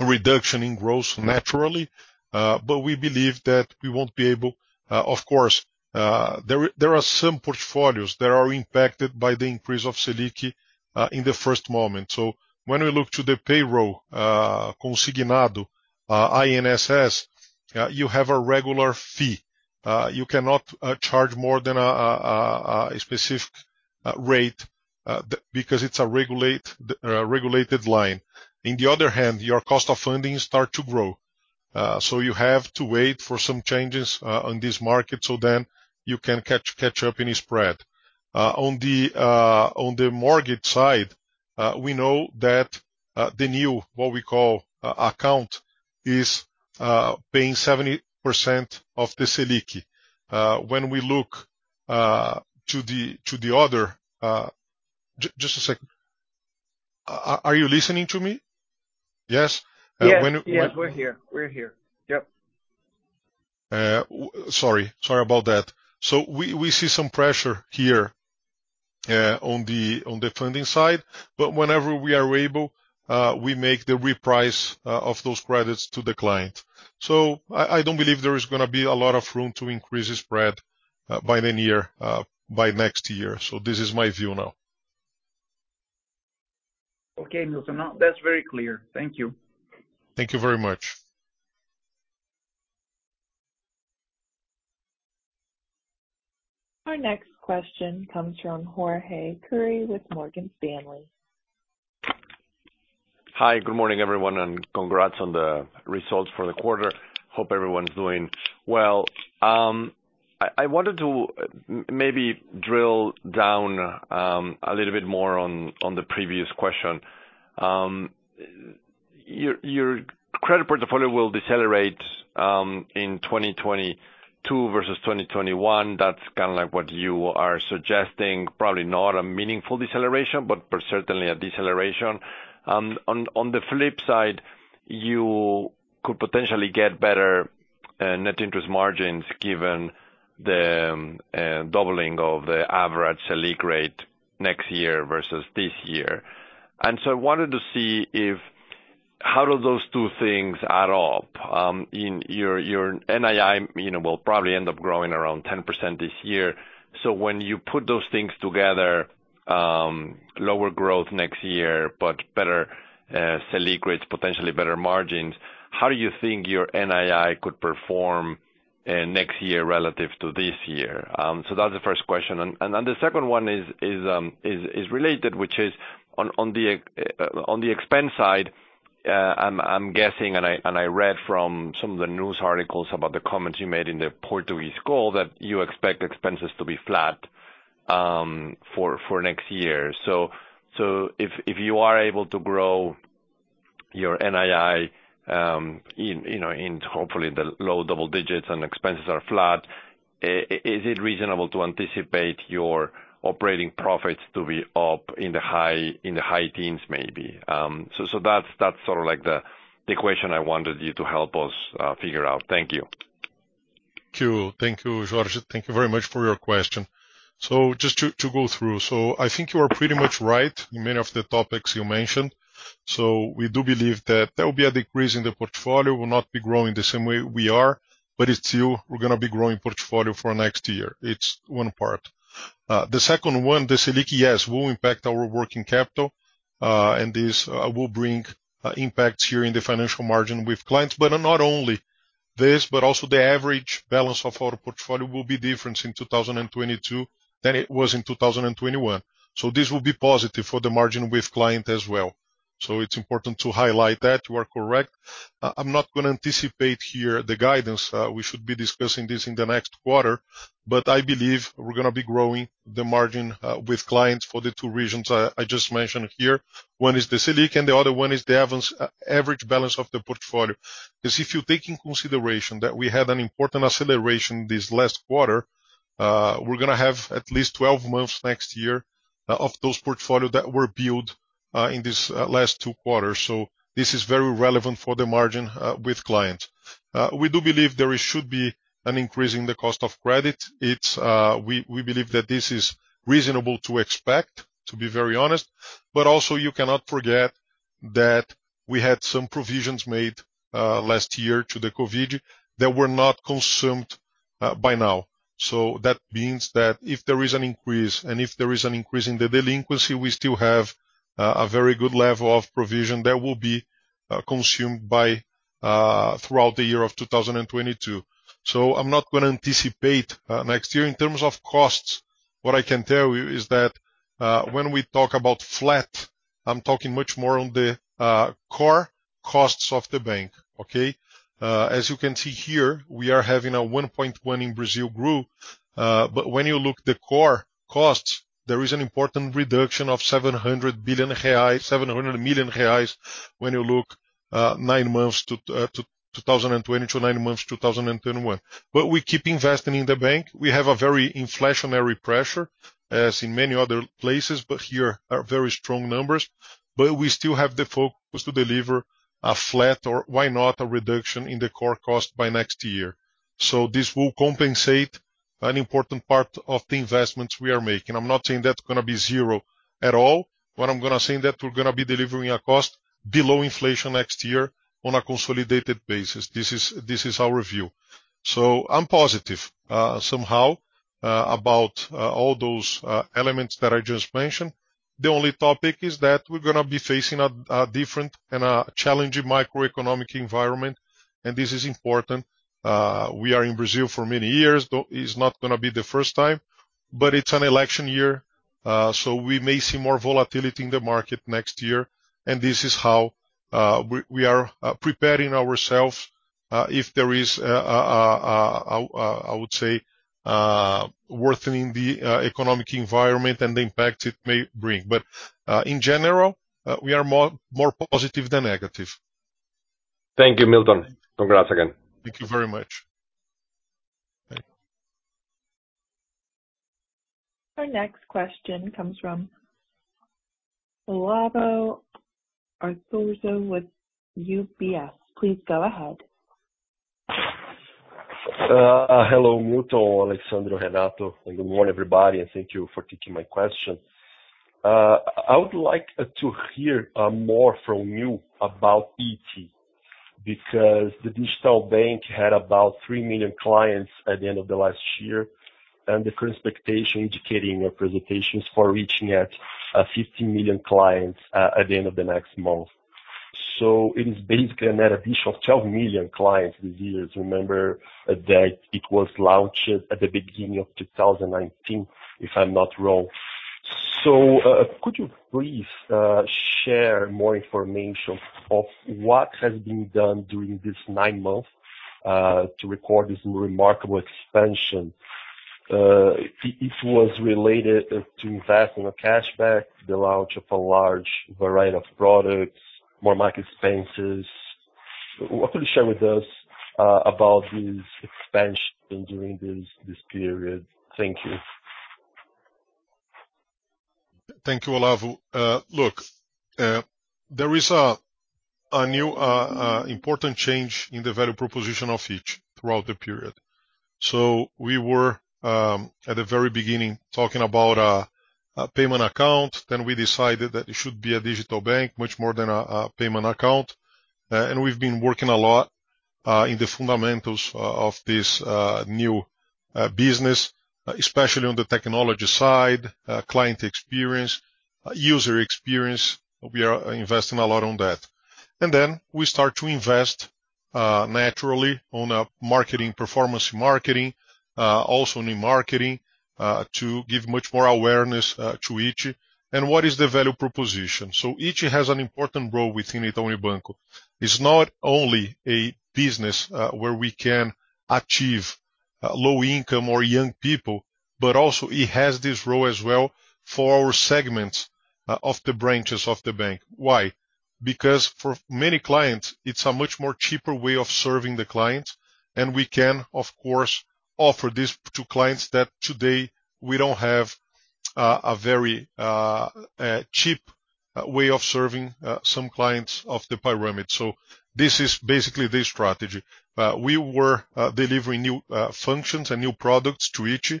reduction in growth naturally, but we believe that we won't be able. Of course, there are some portfolios that are impacted by the increase of Selic in the first moment. When we look to the payroll, consignado, INSS, you have a regular fee. You cannot charge more than a specific rate because it's a regulated line. On the other hand, your cost of funding starts to grow, so you have to wait for some changes on this market, so then you can catch up any spread. On the mortgage side, we know that the new, what we call, account is paying 70% of the Selic. When we look to the other. Just a second. Are you listening to me? Yes? Yes. When- Yes, we're here. Yep. Sorry about that. We see some pressure here on the funding side, but whenever we are able, we make the reprice of those credits to the client. I don't believe there is gonna be a lot of room to increase the spread by the end of the year, by next year. This is my view now. Okay, Milton. Now that's very clear. Thank you. Thank you very much. Our next question comes from Jorge Kuri with Morgan Stanley. Hi, good morning, everyone, and congrats on the results for the quarter. Hope everyone's doing well. I wanted to maybe drill down a little bit more on the previous question. Your credit portfolio will decelerate in 2022 versus 2021. That's kinda like what you are suggesting. Probably not a meaningful deceleration, but certainly a deceleration. On the flip side, you could potentially get better net interest margins given the doubling of the average Selic rate next year versus this year. I wanted to see how those two things add up in your NII. You know, it will probably end up growing around 10% this year. When you put those things together, lower growth next year, but better Selic rates, potentially better margins, how do you think your NII could perform next year relative to this year? That's the first question. Then the second one is related, which is on the expense side. I'm guessing, and I read from some of the news articles about the comments you made in the Portuguese call that you expect expenses to be flat for next year. If you are able to grow your NII, in you know, hopefully the low double digits and expenses are flat, is it reasonable to anticipate your operating profits to be up in the high teens maybe? That's sort of like the question I wanted you to help us figure out. Thank you. Thank you. Thank you, Jorge. Thank you very much for your question. Just to go through. I think you are pretty much right in many of the topics you mentioned. We do believe that there will be a decrease in the portfolio, will not be growing the same way we are, but it's still we're gonna be growing portfolio for next year. It's one part. The second one, the Selic, yes, will impact our working capital, and this will bring impacts here in the financial margin with clients. Not only this, but also the average balance of our portfolio will be different in 2022 than it was in 2021. This will be positive for the margin with client as well. It's important to highlight that. You are correct. I'm not gonna anticipate here the guidance. We should be discussing this in the next quarter. I believe we're gonna be growing the margin with clients for the two reasons I just mentioned here. One is the Selic, and the other one is the average balance of the portfolio. 'Cause if you take in consideration that we had an important acceleration this last quarter, we're gonna have at least 12 months next year of those portfolio that were built in this last two quarters. This is very relevant for the margin with clients. We do believe there should be an increase in the cost of credit. We believe that this is reasonable to expect, to be very honest. Also you cannot forget that we had some provisions made last year to the COVID that were not consumed by now. That means that if there is an increase in the delinquency, we still have a very good level of provision that will be consumed throughout the year of 2022. I'm not gonna anticipate next year. In terms of costs, what I can tell you is that when we talk about flat, I'm talking much more on the core costs of the bank. Okay? As you can see here, we are having 1.1% growth in Brazil, but when you look at the core costs, there is an important reduction of 700 billion reais, 700 million reais when you look nine months 2020 to nine months 2021. We keep investing in the bank. We have a very inflationary pressure, as in many other places, but we have very strong numbers. We still have the focus to deliver a flat or, why not, a reduction in the core cost by next year. This will compensate an important part of the investments we are making. I'm not saying that's gonna be zero at all. What I'm gonna say is that we're gonna be delivering a cost below inflation next year on a consolidated basis. This is our view. I'm positive somehow about all those elements that I just mentioned. The only topic is that we're gonna be facing a different and challenging macroeconomic environment, and this is important. We are in Brazil for many years, though it's not gonna be the first time, but it's an election year, so we may see more volatility in the market next year. This is how we are preparing ourselves if there is, I would say, worsening the economic environment and the impact it may bring. In general, we are more positive than negative. Thank you, Milton. Congrats again. Thank you very much. Bye. Our next question comes from Olavo Arthuzo with UBS. Please go ahead. Hello, Milton, Alessandro, Renato, and good morning, everybody, and thank you for taking my question. I would like to hear more from you about iti, because the digital bank had about 3 million clients at the end of the last year, and the current expectation indicating your presentations for reaching at 50 million clients at the end of the next month. It is basically an addition of 12 million clients this year to remember that it was launched at the beginning of 2019, if I'm not wrong. Could you please share more information of what has been done during this nine months to record this remarkable expansion? If it was related to investing in cashback, the launch of a large variety of products, more market expenses. What could you share with us about this expansion during this period? Thank you. Thank you, Olavo. Look, there is a new important change in the value proposition of iti throughout the period. We were at the very beginning talking about a payment account, then we decided that it should be a digital bank, much more than a payment account. We've been working a lot in the fundamentals of this new business, especially on the technology side, client experience, user experience. We are investing a lot on that. Then we start to invest naturally on a marketing, performance marketing, also new marketing, to give much more awareness to iti. What is the value proposition? Iti has an important role within Itaú Unibanco. It's not only a business where we can achieve low income or young people, but also it has this role as well for our segments of the branches of the bank. Why? Because for many clients, it's a much more cheaper way of serving the client, and we can, of course, offer this to clients that today we don't have a very cheap way of serving some clients of the pyramid. This is basically the strategy. We were delivering new functions and new products to iti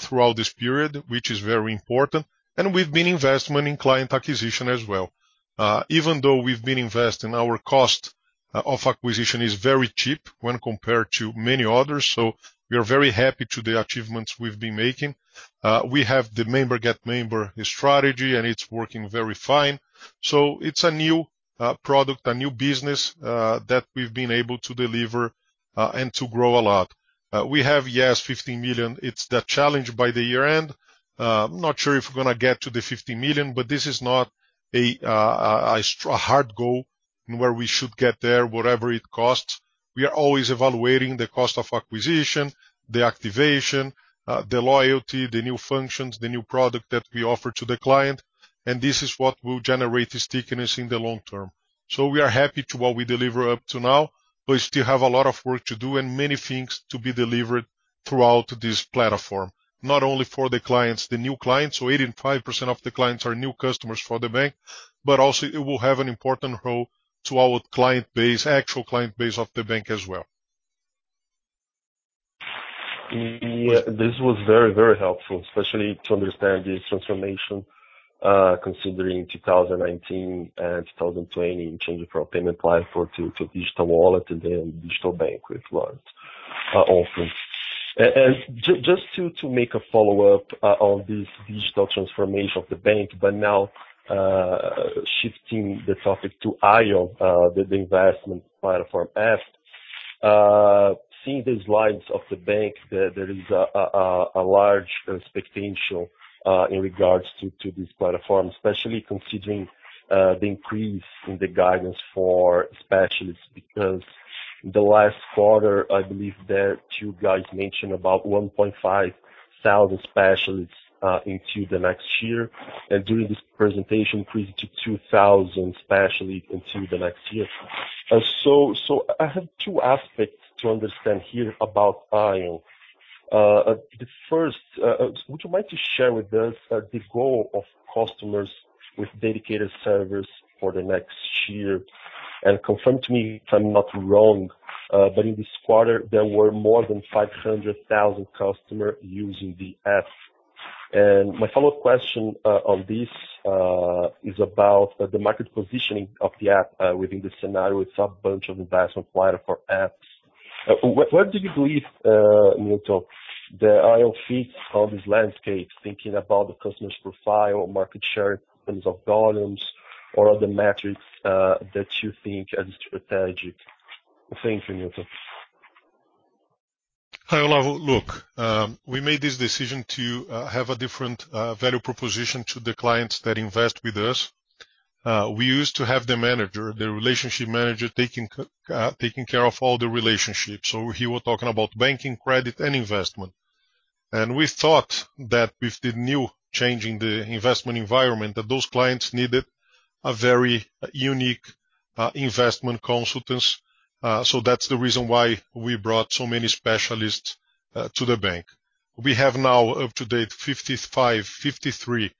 throughout this period, which is very important. We've been investing in client acquisition as well. Even though we've been investing, our cost of acquisition is very cheap when compared to many others. We are very happy with the achievements we've been making. We have the member get member strategy, and it's working very fine. It's a new product, a new business that we've been able to deliver and to grow a lot. We have, yes, 15 million. It's the challenge by the year-end. Not sure if we're gonna get to the 50 million, but this is not a hard goal in where we should get there, whatever it costs. We are always evaluating the cost of acquisition, the activation, the loyalty, the new functions, the new product that we offer to the client, and this is what will generate stickiness in the long term. We are happy to what we deliver up to now. We still have a lot of work to do and many things to be delivered throughout this platform, not only for the clients, the new clients, 85% of the clients are new customers for the bank, but also it will have an important role to our client base, actual client base of the bank as well. Yeah. This was very, very helpful, especially to understand this transformation, considering 2019 and 2020 change from payment platform to digital wallet and then digital bank with large offerings. Just to make a follow-up on this digital transformation of the bank, but now shifting the topic to íon, the investment platform. Seeing the slides of the bank, there is a large potential in regards to this platform, especially considering the increase in the guidance for specialists, because the last quarter, I believe that you guys mentioned about 1,500 specialists into the next year. During this presentation, increased to 2,000 specialists into the next year. I have two aspects to understand here about íon. The first, would you mind sharing with us the goal of customers with dedicated service for the next year? Confirm to me if I'm not wrong, but in this quarter, there were more than 500,000 customers using the app. My follow-up question on this is about the market positioning of the app within the scenario. It's a bunch of investment apps. What do you believe, Milton, the íon fits in this landscape, thinking about the customer's profile, market share in terms of volumes or other metrics that you think are strategic? Thank you, Milton. Hi, Olavo. Look, we made this decision to have a different value proposition to the clients that invest with us. We used to have the manager, the relationship manager, taking care of all the relationships. Here we're talking about banking, credit, and investment. We thought that with the new change in the investment environment, that those clients needed a very unique investment consultants. That's the reason why we brought so many specialists to the bank. We have now, up to date, 55, 53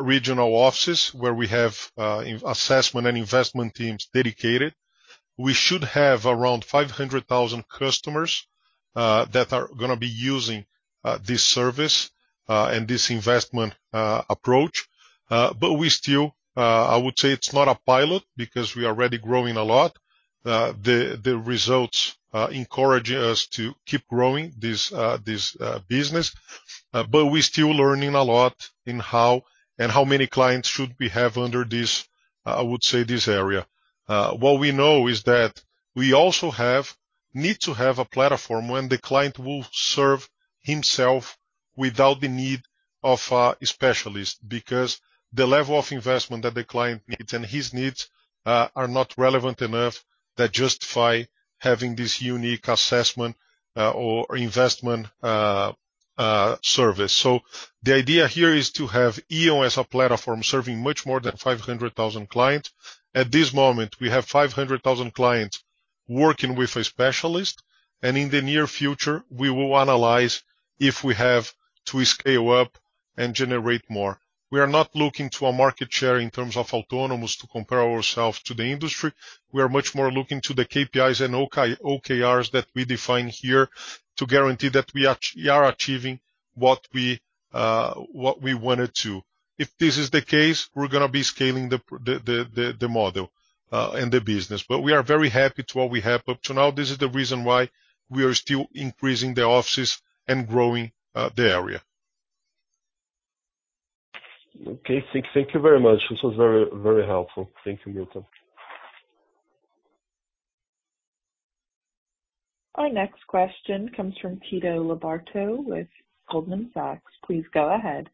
regional offices where we have assessment and investment teams dedicated. We should have around 500,000 customers that are gonna be using this service and this investment approach. I would say it's not a pilot because we are already growing a lot. The results encouraging us to keep growing this business, but we're still learning a lot in how and how many clients should we have under this, I would say, this area. What we know is that we also need to have a platform when the client will serve himself without the need of a specialist, because the level of investment that the client needs and his needs are not relevant enough that justify having this unique assessment or investment service. The idea here is to have íon as a platform serving much more than 500,000 clients. At this moment, we have 500,000 clients working with a specialist, and in the near future, we will analyze if we have to scale up and generate more. We are not looking at market share in terms of acquiring to compare ourselves to the industry. We are much more looking at the KPIs and OKRs that we define here to guarantee that we are achieving what we wanted to. If this is the case, we're gonna be scaling the model and the business. We are very happy with what we have up to now. This is the reason why we are still increasing the offices and growing the area. Okay. Thank you very much. This was very, very helpful. Thank you, Milton. Our next question comes from Tito Labarta with Goldman Sachs. Please go ahead.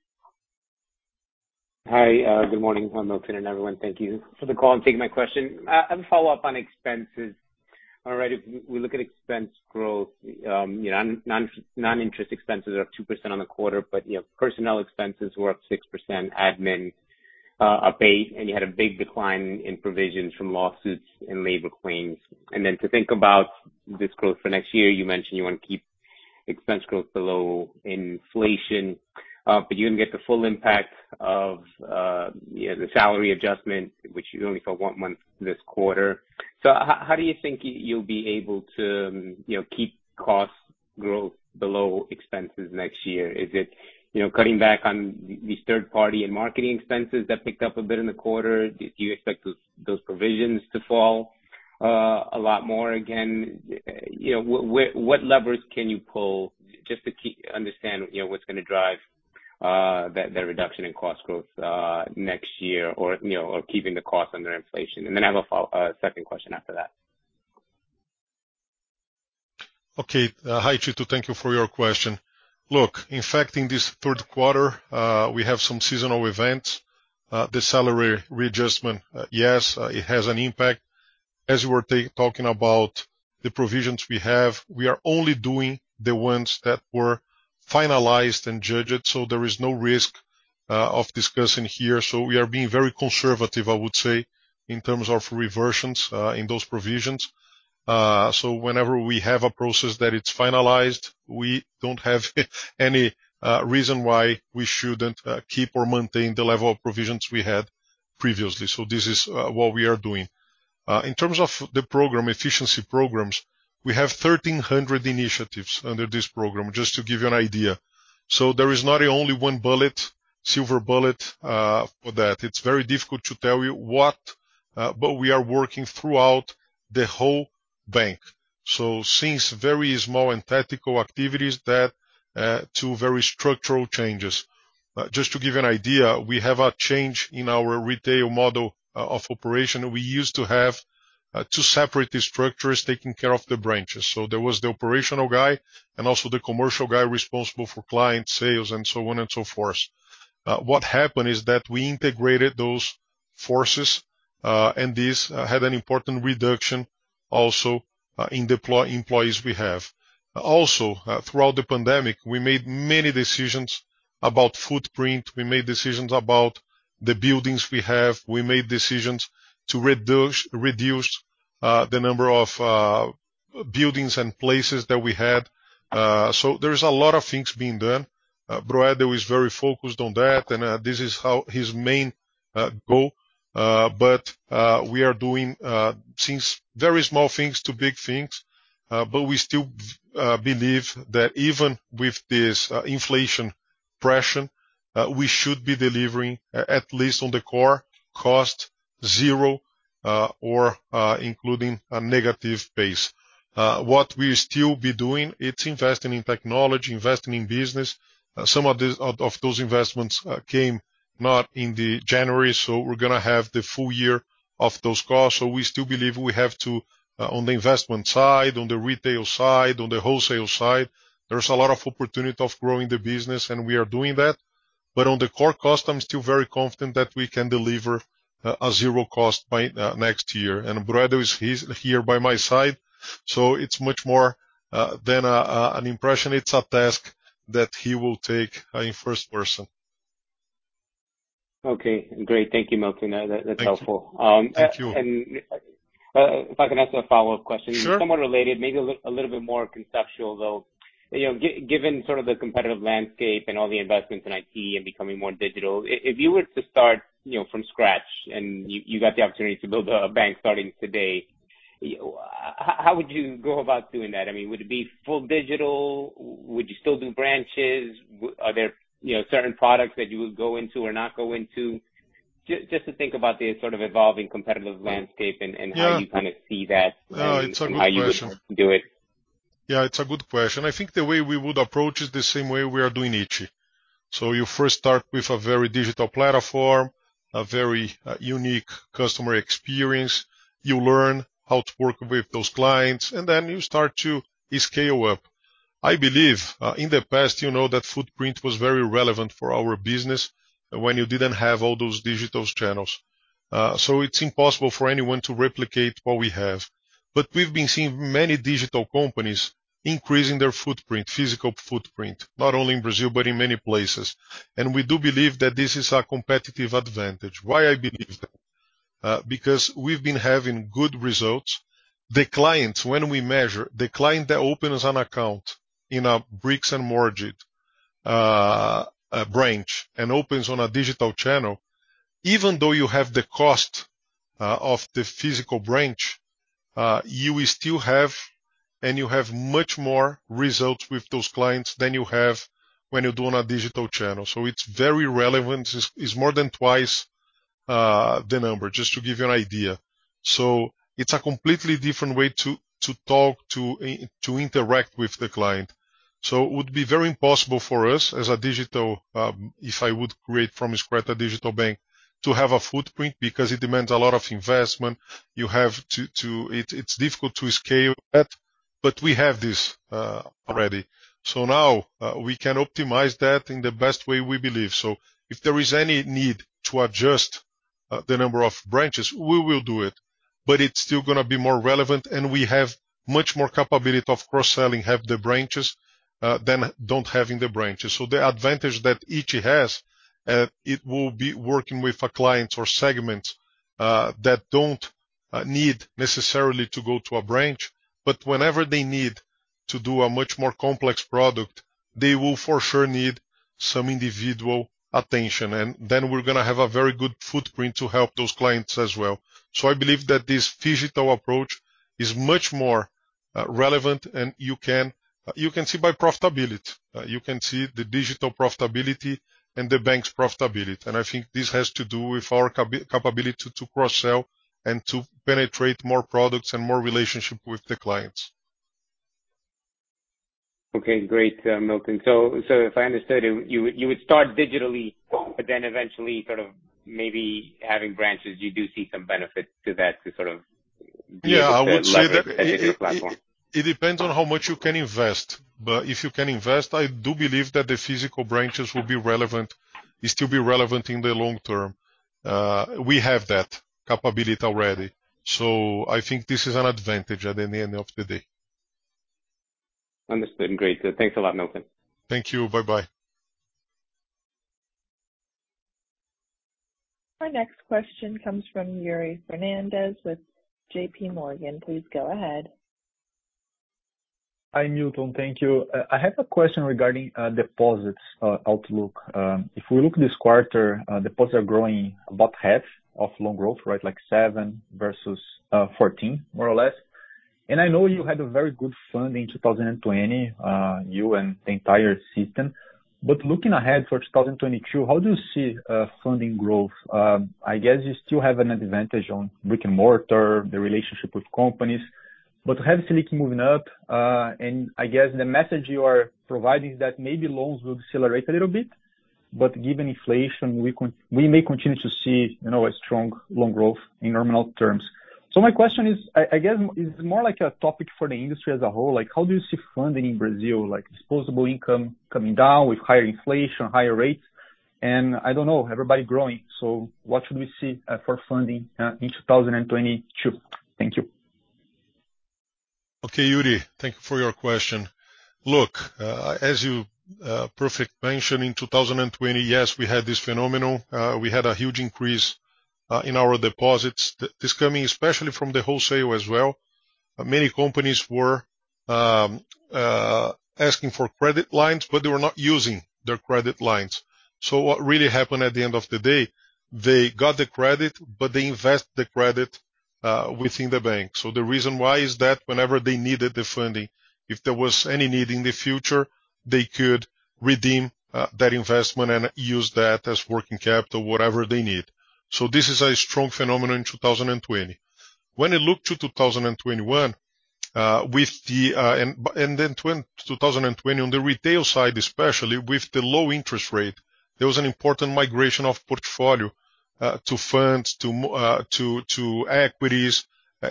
Hi. Good morning, Milton and everyone. Thank you for the call and taking my question. I have a follow-up on expenses. All right, if we look at expense growth, you know, non-interest expenses are up 2% on the quarter, but, you know, personnel expenses were up 6%, admin up 8%, and you had a big decline in provisions from lawsuits and labor claims. To think about this growth for next year, you mentioned you wanna keep expense growth below inflation, but you didn't get the full impact of, you know, the salary adjustment, which you only saw one month this quarter. How do you think you'll be able to, you know, keep costs growth below expenses next year? Is it, you know, cutting back on these third-party and marketing expenses that picked up a bit in the quarter? Do you expect those provisions to fall a lot more again? You know, what levers can you pull just to understand, you know, what's gonna drive the reduction in cost growth next year, or, you know, or keeping the cost under inflation? Then I have a follow-up second question after that. Okay. Hi, Tito. Thank you for your question. Look, in fact, in this third quarter, we have some seasonal events. The salary readjustment, yes, it has an impact. As you were talking about the provisions we have, we are only doing the ones that were finalized and judged, so there is no risk of discussing here. We are being very conservative, I would say, in terms of reversions in those provisions. Whenever we have a process that it's finalized, we don't have any reason why we shouldn't keep or maintain the level of provisions we had previously. This is what we are doing. In terms of the program, efficiency programs, we have 1,300 initiatives under this program, just to give you an idea. There is not only one silver bullet for that. It's very difficult to tell you what, but we are working throughout the whole bank. From very small and tactical activities to very structural changes. Just to give you an idea, we have a change in our retail model of operation. We used to have two separate structures taking care of the branches. There was the operational guy and also the commercial guy responsible for client sales and so on and so forth. What happened is that we integrated those forces, and this had an important reduction also in the number of employees we have. Also, throughout the pandemic, we made many decisions about footprint. We made decisions about the buildings we have. We made decisions to reduce the number of buildings and places that we had. There's a lot of things being done. Broedel is very focused on that, and this is his main goal. We are doing things, very small things to big things, but we still believe that even with this inflation pressure, we should be delivering at least on the core cost zero, or including a negative base. What we'll still be doing, it's investing in technology, investing in business. Some of these of those investments came not in January, so we're gonna have the full year of those costs. We still believe we have to, on the investment side, on the retail side, on the wholesale side, there's a lot of opportunity of growing the business, and we are doing that. On the core cost, I'm still very confident that we can deliver a zero cost by next year. Alexsandro Broedel is here by my side, so it's much more than an impression. It's a task that he will take in first person. Okay, great. Thank you, Milton. That, that's helpful. Thank you. Um, and- Thank you. If I can ask a follow-up question. Sure. Somewhat related, maybe a little bit more conceptual, though. You know, given sort of the competitive landscape and all the investments in IT and becoming more digital, if you were to start, you know, from scratch and you got the opportunity to build a bank starting today, how would you go about doing that? I mean, would it be full digital? Would you still do branches? Are there, you know, certain products that you would go into or not go into? Just to think about the sort of evolving competitive landscape and Yeah. how you kind of see that It's a good question. How you would do it. Yeah, it's a good question. I think the way we would approach is the same way we are doing iti. You first start with a very digital platform, a very unique customer experience. You learn how to work with those clients, and then you start to scale up. I believe in the past, you know, that footprint was very relevant for our business when you didn't have all those digital channels. It's impossible for anyone to replicate what we have. We've been seeing many digital companies increasing their footprint, physical footprint, not only in Brazil, but in many places. We do believe that this is a competitive advantage. Why I believe that? Because we've been having good results. The clients, when we measure, the client that opens an account in a brick-and-mortar branch and opens on a digital channel, even though you have the cost of the physical branch, you will still have, and you have much more results with those clients than you have when you do on a digital channel. It's very relevant. It's more than twice the number, just to give you an idea. It's a completely different way to interact with the client. It would be very impossible for us as a digital, if I would create from scratch a digital bank, to have a footprint because it demands a lot of investment. You have to. It's difficult to scale that, but we have this already. Now we can optimize that in the best way we believe. If there is any need to adjust the number of branches, we will do it. It's still gonna be more relevant, and we have much more capability of cross-selling, have the branches, than don't have in the branches. The advantage that iti has, it will be working with a client or segment that don't need necessarily to go to a branch, but whenever they need to do a much more complex product, they will for sure need some individual attention. Then we're gonna have a very good footprint to help those clients as well. I believe that this phygital approach is much more relevant and you can see by profitability. You can see the digital profitability and the bank's profitability. I think this has to do with our capability to cross-sell and to penetrate more products and more relationship with the clients. Okay, great, Milton. So if I understood, you would start digitally, but then eventually sort of maybe having branches, you do see some benefit to that to sort of- Yeah, I would say that. Deliver that digital platform. It depends on how much you can invest, but if you can invest, I do believe that the physical branches will still be relevant in the long term. We have that capability already. I think this is an advantage at the end of the day. Understood. Great. Thanks a lot, Milton. Thank you. Bye-bye. Our next question comes from Yuri Fernandes with JPMorgan. Please go ahead. Hi, Milton. Thank you. I have a question regarding deposits outlook. If we look this quarter, deposits are growing about half of loan growth, right? Like 7% versus 14%, more or less. I know you had a very good funding in 2020, you and the entire system. Looking ahead for 2022, how do you see funding growth? I guess you still have an advantage on brick-and-mortar, the relationship with companies. We have Selic moving up, and I guess the message you are providing is that maybe loans will accelerate a little bit. Given inflation, we may continue to see, you know, a strong loan growth in nominal terms. My question is, I guess is more like a topic for the industry as a whole. Like, how do you see funding in Brazil, like disposable income coming down with higher inflation, higher rates? I don't know, everybody growing. What should we see for funding in 2022? Thank you. Okay, Yuri. Thank you for your question. Look, as you perfectly mentioned, in 2020, yes, we had this phenomenon. We had a huge increase in our deposits, this coming especially from the wholesale as well. Many companies were asking for credit lines, but they were not using their credit lines. What really happened at the end of the day, they got the credit, but they invest the credit within the bank. The reason why is that whenever they needed the funding, if there was any need in the future, they could redeem that investment and use that as working capital, whatever they need. This is a strong phenomenon in 2020. When you look to 2021, with the... 2020 on the retail side, especially with the low interest rate, there was an important migration of portfolio to funds, to equities,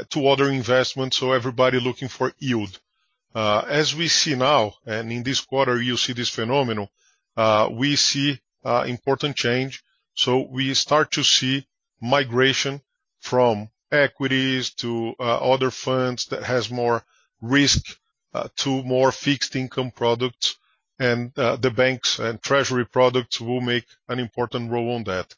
to other investments, so everybody looking for yield. As we see now in this quarter, you see this phenomenon, we see important change. We start to see migration from equities to other funds that has more risk to more fixed income products, and the banks and treasury products will make an important role on that.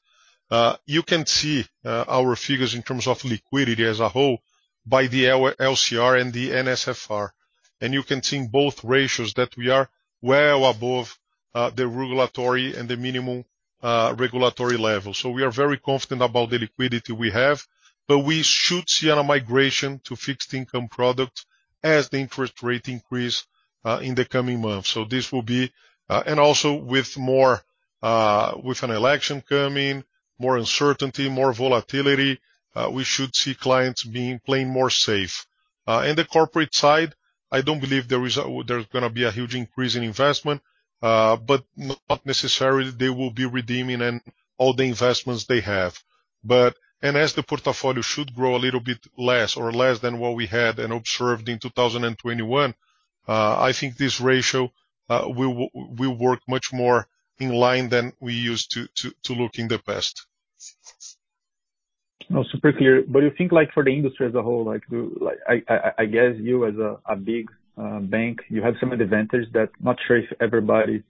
You can see our figures in terms of liquidity as a whole by the LCR and the NSFR. You can see in both ratios that we are well above the regulatory and the minimum regulatory level. We are very confident about the liquidity we have, but we should see a migration to fixed income product as the interest rates increase in the coming months. This will be and also with more with an election coming, more uncertainty, more volatility, we should see clients playing more safe. In the corporate side, I don't believe there is going to be a huge increase in investment, but not necessarily they will be redeeming all the investments they have. As the portfolio should grow a little bit less or less than what we had observed in 2021, I think this ratio will work much more in line than we used to look in the past. No, super clear. You think, like, for the industry as a whole, like, I guess you as a big bank, you have some advantage that I'm not sure if everybody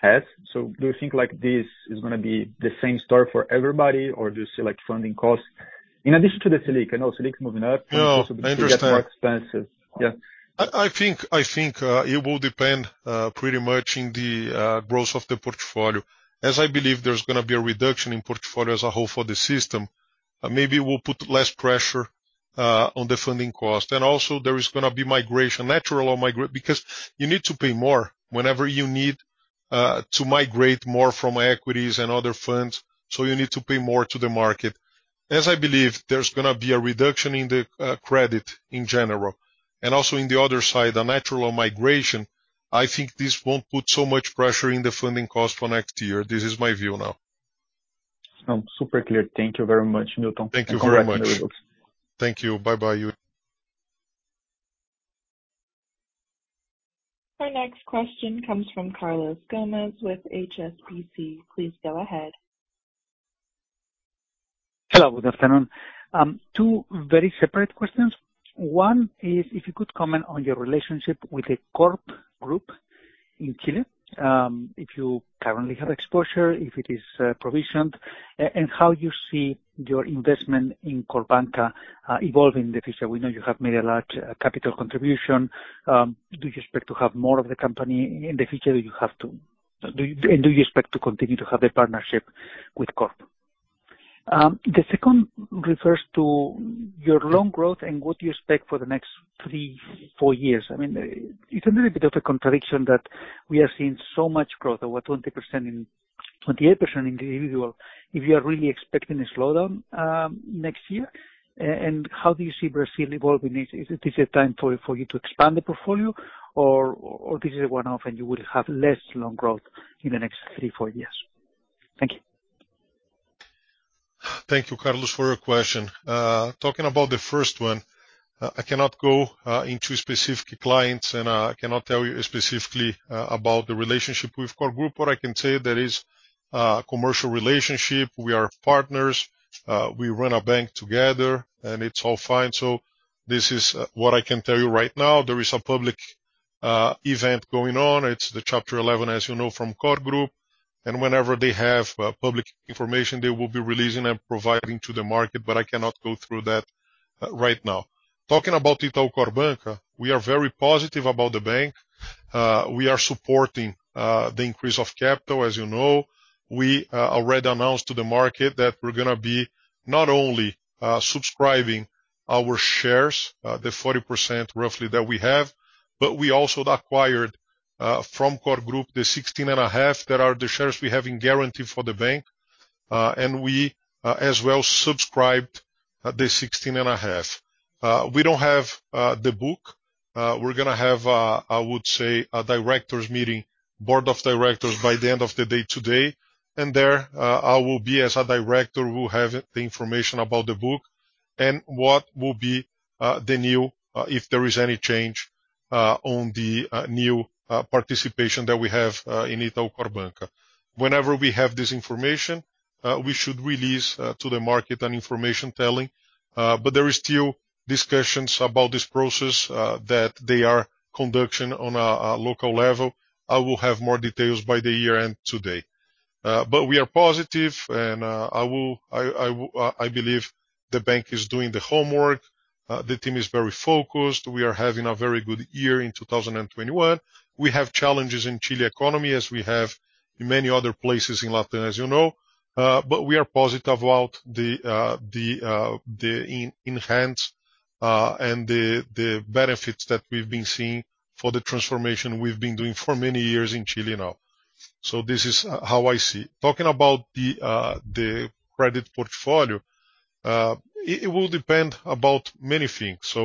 has. Do you think, like, this is gonna be the same story for everybody, or do you see, like, funding costs in addition to the Selic? I know Selic's moving up. No, I understand. It's also still getting more expensive. Yeah. I think it will depend pretty much in the growth of the portfolio. As I believe there's gonna be a reduction in portfolio as a whole for the system, maybe we'll put less pressure on the funding cost. Also there is gonna be migration, natural. Because you need to pay more whenever you need to migrate more from equities and other funds, so you need to pay more to the market. As I believe, there's gonna be a reduction in the credit in general. Also in the other side, a natural migration, I think this won't put so much pressure in the funding cost for next year. This is my view now. Super clear. Thank you very much, Milton. Thank you very much. Congrats on the results. Thank you. Bye-bye, Yuri. Our next question comes from Carlos Gomez-Lopez with HSBC. Please go ahead. Hello, good afternoon. Two very separate questions. One is if you could comment on your relationship with the CorpGroup in Chile, if you currently have exposure, if it is provisioned, and how you see your investment in Corpbanca evolving in the future. We know you have made a large capital contribution. Do you expect to have more of the company in the future? And do you expect to continue to have a partnership with Corp? The second refers to your loan growth and what you expect for the next three, four years. I mean, it's a little bit of a contradiction that we are seeing so much growth, over 20% in, 28% individual, if you are really expecting a slowdown next year. How do you see Brazil evolving next? Is it time for you to expand the portfolio or this is a one-off and you will have less loan growth in the next three, four years? Thank you. Thank you, Carlos, for your question. Talking about the first one, I cannot go into specific clients, and I cannot tell you specifically about the relationship with CorpGroup. What I can say there is commercial relationship. We are partners. We run a bank together, and it's all fine. This is what I can tell you right now. There is a public event going on. It's the Chapter 11, as you know, from CorpGroup. Whenever they have public information, they will be releasing and providing to the market, but I cannot go through that right now. Talking about Itaú Corpbanca, we are very positive about the bank. We are supporting the increase of capital, as you know. We already announced to the market that we're gonna be not only subscribing our shares, the 40% roughly that we have, but we also acquired from CorpGroup the 16.5% that are the shares we have in guarantee for the bank. We as well subscribed the 16.5%. We don't have the book. We're gonna have, I would say, a directors meeting, board of directors by the end of the day today. There I will be as a director who have the information about the book and what will be the new, if there is any change, on the new participation that we have in Itaú Corpbanca. Whenever we have this information, we should release to the market an information telling. There is still discussion about this process that they are conducting on a local level. I will have more details by year-end today. We are positive and I believe the bank is doing the homework. The team is very focused. We are having a very good year in 2021. We have challenges in Chile's economy as we have in many other places in Latin America, as you know. We are positive about the enhancement and the benefits that we've been seeing for the transformation we've been doing for many years in Chile now. This is how I see. Talking about the credit portfolio, it will depend on many things.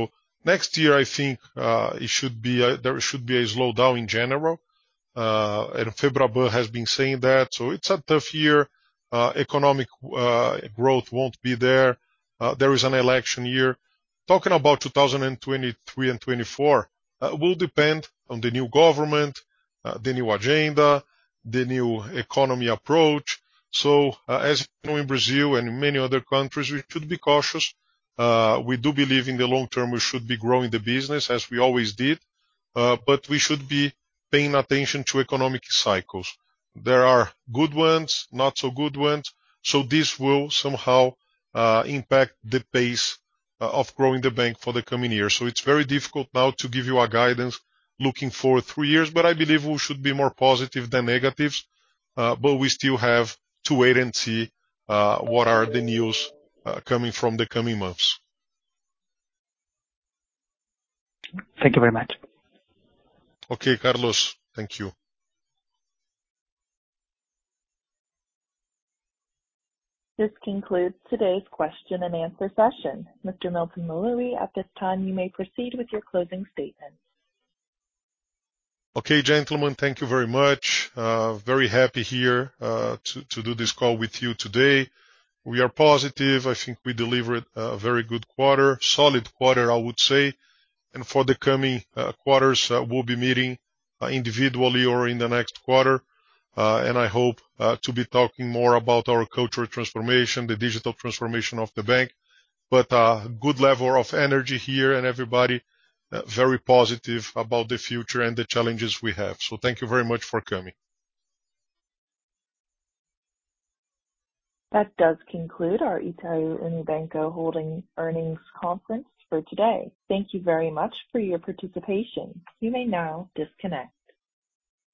Next year, I think, it should be... There should be a slowdown in general. FEBRABAN has been saying that, so it's a tough year. Economic growth won't be there. There is an election year. Talking about 2023 and 2024, will depend on the new government, the new agenda, the new economy approach. As you know, in Brazil and in many other countries, we should be cautious. We do believe in the long term, we should be growing the business as we always did, but we should be paying attention to economic cycles. There are good ones, not so good ones, so this will somehow impact the pace of growing the bank for the coming years. It's very difficult now to give you a guidance looking forward three years, but I believe we should be more positive than negatives. We still have to wait and see what are the news coming from the coming months. Thank you very much. Okay, Carlos, thank you. This concludes today's question-and-answer session. Mr. Milton Maluhy Filho, at this time, you may proceed with your closing statements. Okay, gentlemen, thank you very much. Very happy here to do this call with you today. We are positive. I think we delivered a very good quarter, solid quarter, I would say. For the coming quarters, we'll be meeting individually or in the next quarter. I hope to be talking more about our cultural transformation, the digital transformation of the bank. A good level of energy here, and everybody very positive about the future and the challenges we have. Thank you very much for coming. That does conclude our Itaú Unibanco Holding earnings conference for today. Thank you very much for your participation. You may now disconnect.